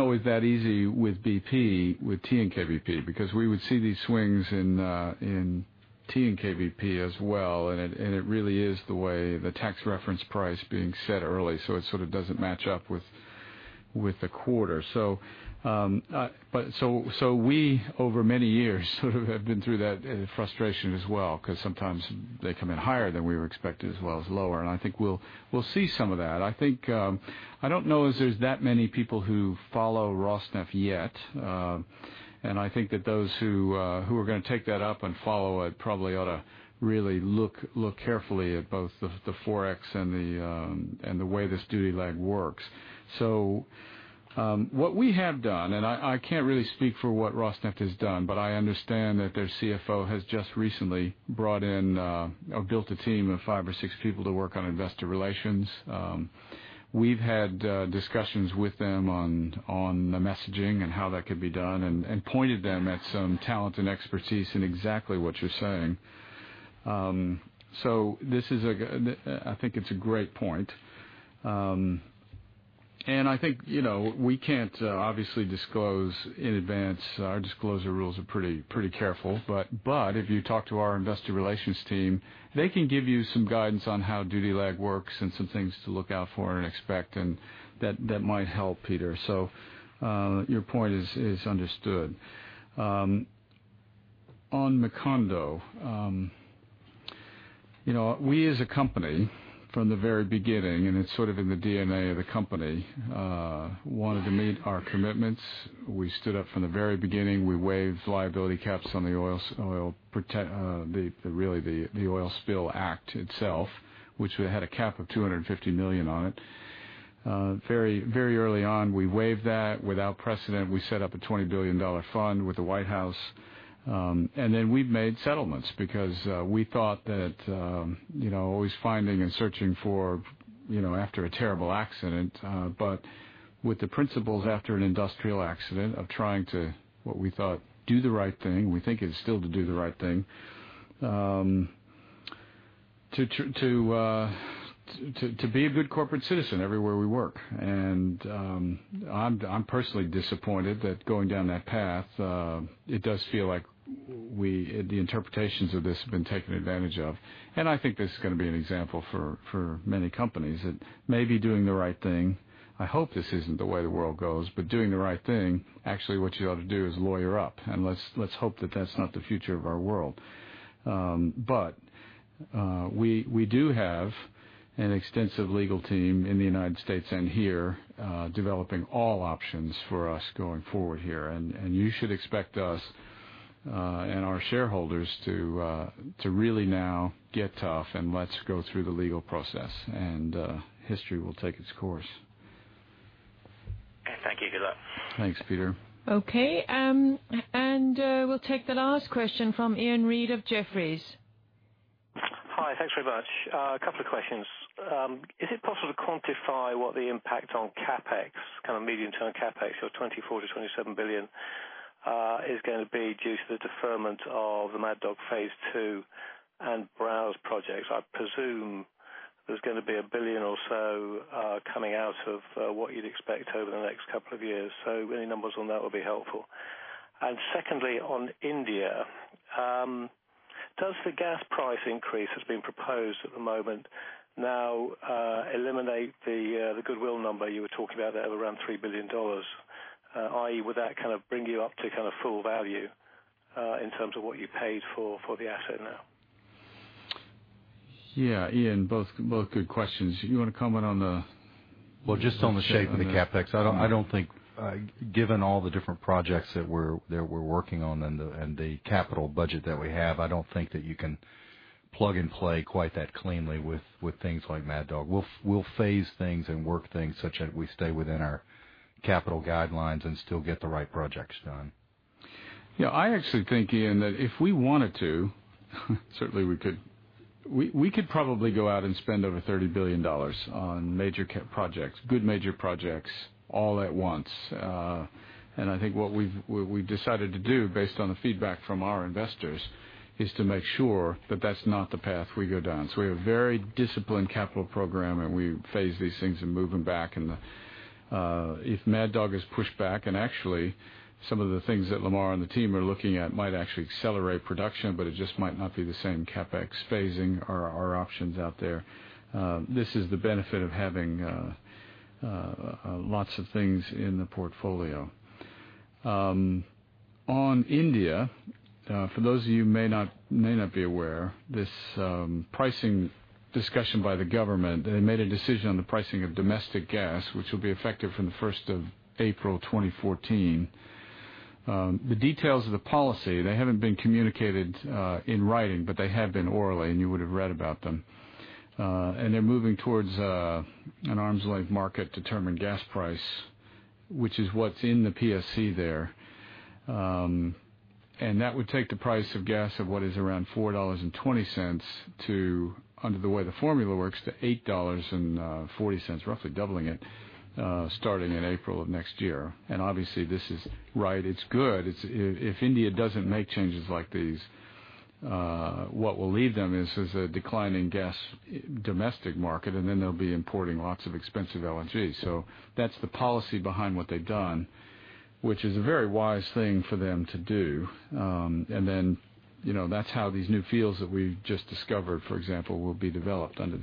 always that easy with BP, with TNK-BP, because we would see these swings in TNK-BP as well, and it really is the way the tax reference price being set early, so it sort of doesn't match up with the quarter. We, over many years, have been through that frustration as well, because sometimes they come in higher than we were expecting as well as lower, and I think we'll see some of that. I don't know if there's that many people who follow Rosneft yet. I think that those who are going to take that up and follow it probably ought to really look carefully at both the Forex and the way this duty lag works. What we have done, and I can't really speak for what Rosneft has done, but I understand that their CFO has just recently built a team of five or six people to work on investor relations. We've had discussions with them on the messaging and how that could be done and pointed them at some talent and expertise in exactly what you're saying. I think it's a great point. I think we can't obviously disclose in advance. Our disclosure rules are pretty careful. If you talk to our investor relations team, they can give you some guidance on how duty lag works and some things to look out for and expect, and that might help, Peter. Your point is understood. On Macondo. We as a company, from the very beginning, and it's sort of in the DNA of the company, wanted to meet our commitments. We stood up from the very beginning. We waived liability caps on the Oil Pollution Act itself, which had a cap of $250 million on it. Very early on, we waived that without precedent. We set up a $20 billion fund with the White House. Then we've made settlements because we thought that always finding and searching for, after a terrible accident, but with the principles after an industrial accident of trying to, what we thought, do the right thing. We think it's still to do the right thing, to be a good corporate citizen everywhere we work. I'm personally disappointed that going down that path, it does feel like the interpretations of this have been taken advantage of. I think this is going to be an example for many companies that maybe doing the right thing, I hope this isn't the way the world goes, but doing the right thing, actually what you ought to do is lawyer up. Let's hope that that's not the future of our world. We do have an extensive legal team in the U.S. and here, developing all options for us going forward here. You should expect us, and our shareholders, to really now get tough and let's go through the legal process, and history will take its course. Thank you. Good luck. Thanks, Peter. Okay. We'll take the last question from Iain Reid of Jefferies. Hi. Thanks very much. A couple of questions. Is it possible to quantify what the impact on kind of medium-term CapEx of $24 billion-$27 billion is going to be due to the deferment of the Mad Dog Phase 2 and Browse projects? I presume there's going to be $1 billion or so coming out of what you'd expect over the next couple of years. Any numbers on that would be helpful. Secondly, on India. Does the gas price increase that's been proposed at the moment now eliminate the goodwill number you were talking about there of around $3 billion? I.e., would that kind of bring you up to kind of full value in terms of what you paid for the asset now? Yeah, Iain, both good questions. You want to comment on the Well, just on the shape of the CapEx. Given all the different projects that we're working on and the capital budget that we have, I don't think that you can plug and play quite that cleanly with things like Mad Dog. We'll phase things and work things such that we stay within our capital guidelines and still get the right projects done. I actually think, Iain, that if we wanted to, certainly we could probably go out and spend over $30 billion on good major projects all at once. I think what we've decided to do, based on the feedback from our investors, is to make sure that that's not the path we go down. We have a very disciplined capital program and we phase these things and move them back. If Mad Dog is pushed back, and actually some of the things that Lamar and the team are looking at might actually accelerate production, but it just might not be the same CapEx phasing are our options out there. This is the benefit of having lots of things in the portfolio. On India, for those of you may not be aware, this pricing discussion by the government, they made a decision on the pricing of domestic gas, which will be effective from the 1st of April 2014. The details of the policy, they haven't been communicated in writing, but they have been orally, and you would have read about them. They're moving towards an arm's-length market-determined gas price, which is what's in the PSC there. That would take the price of gas of what is around $4.20 to, under the way the formula works, to $8.40, roughly doubling it, starting in April of next year. Obviously this is right. It's good. If India doesn't make changes like these, what will leave them is a decline in gas domestic market, and then they'll be importing lots of expensive LNG. That's the policy behind what they've done, which is a very wise thing for them to do. That's how these new fields that we've just discovered, for example, will be developed under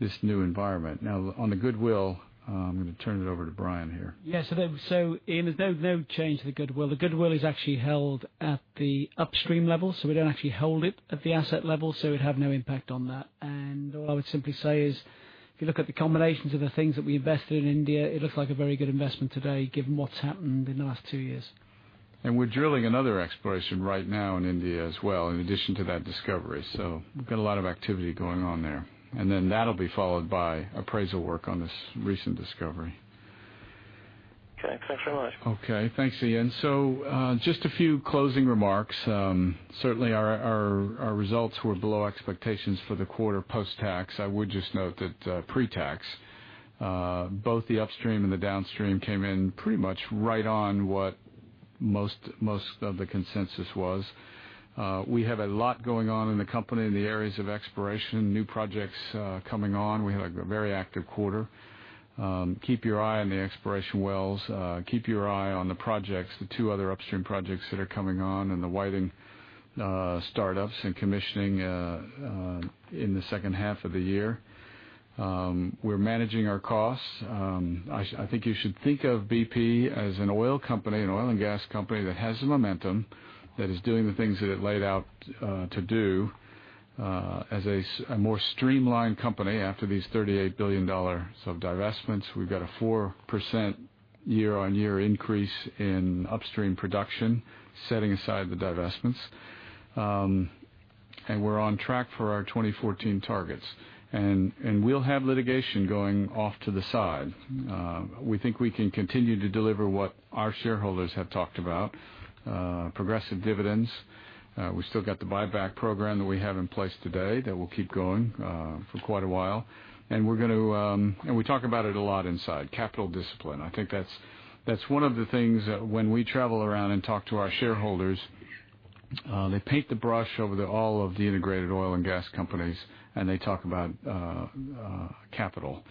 this new environment. On the goodwill, I'm going to turn it over to Brian here. Iain, there's no change to the goodwill. The goodwill is actually held at the upstream level. We don't actually hold it at the asset level, so it would have no impact on that. All I would simply say is, if you look at the combinations of the things that we invested in India, it looks like a very good investment today given what's happened in the last two years. We're drilling another exploration right now in India as well, in addition to that discovery. We've got a lot of activity going on there. That'll be followed by appraisal work on this recent discovery. Okay. Thanks very much. Okay. Thanks, Iain. Just a few closing remarks. Certainly our results were below expectations for the quarter post-tax. I would just note that pre-tax, both the Upstream and the Downstream came in pretty much right on what most of the consensus was. We have a lot going on in the company in the areas of exploration, new projects coming on. We had a very active quarter. Keep your eye on the exploration wells. Keep your eye on the projects, the 2 other Upstream projects that are coming on, and the Whiting startups and commissioning in the second half of the year. We are managing our costs. I think you should think of BP as an oil and gas company that has the momentum, that is doing the things that it laid out to do, as a more streamlined company after these GBP 38 billion of divestments. We have got a 4% year-on-year increase in Upstream production, setting aside the divestments. We are on track for our 2014 targets. We will have litigation going off to the side. We think we can continue to deliver what our shareholders have talked about, progressive dividends. We still have the buyback program that we have in place today that will keep going for quite a while. We talk about it a lot inside, capital discipline. I think that is one of the things that when we travel around and talk to our shareholders, they paint the brush over all of the integrated oil and gas companies, and they talk about capital.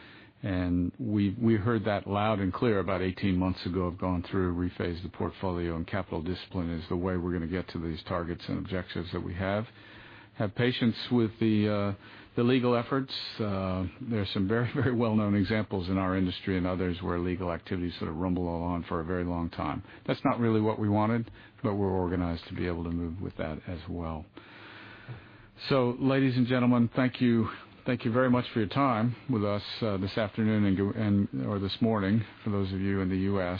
We heard that loud and clear about 18 months ago, have gone through, rephased the portfolio, and capital discipline is the way we are going to get to these targets and objectives that we have. Have patience with the legal efforts. There are some very well-known examples in our industry and others where legal activities sort of rumble along for a very long time. That is not really what we wanted, but we are organized to be able to move with that as well. Ladies and gentlemen, thank you very much for your time with us this afternoon, or this morning, for those of you in the U.S.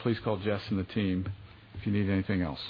Please call Jess and the team if you need anything else.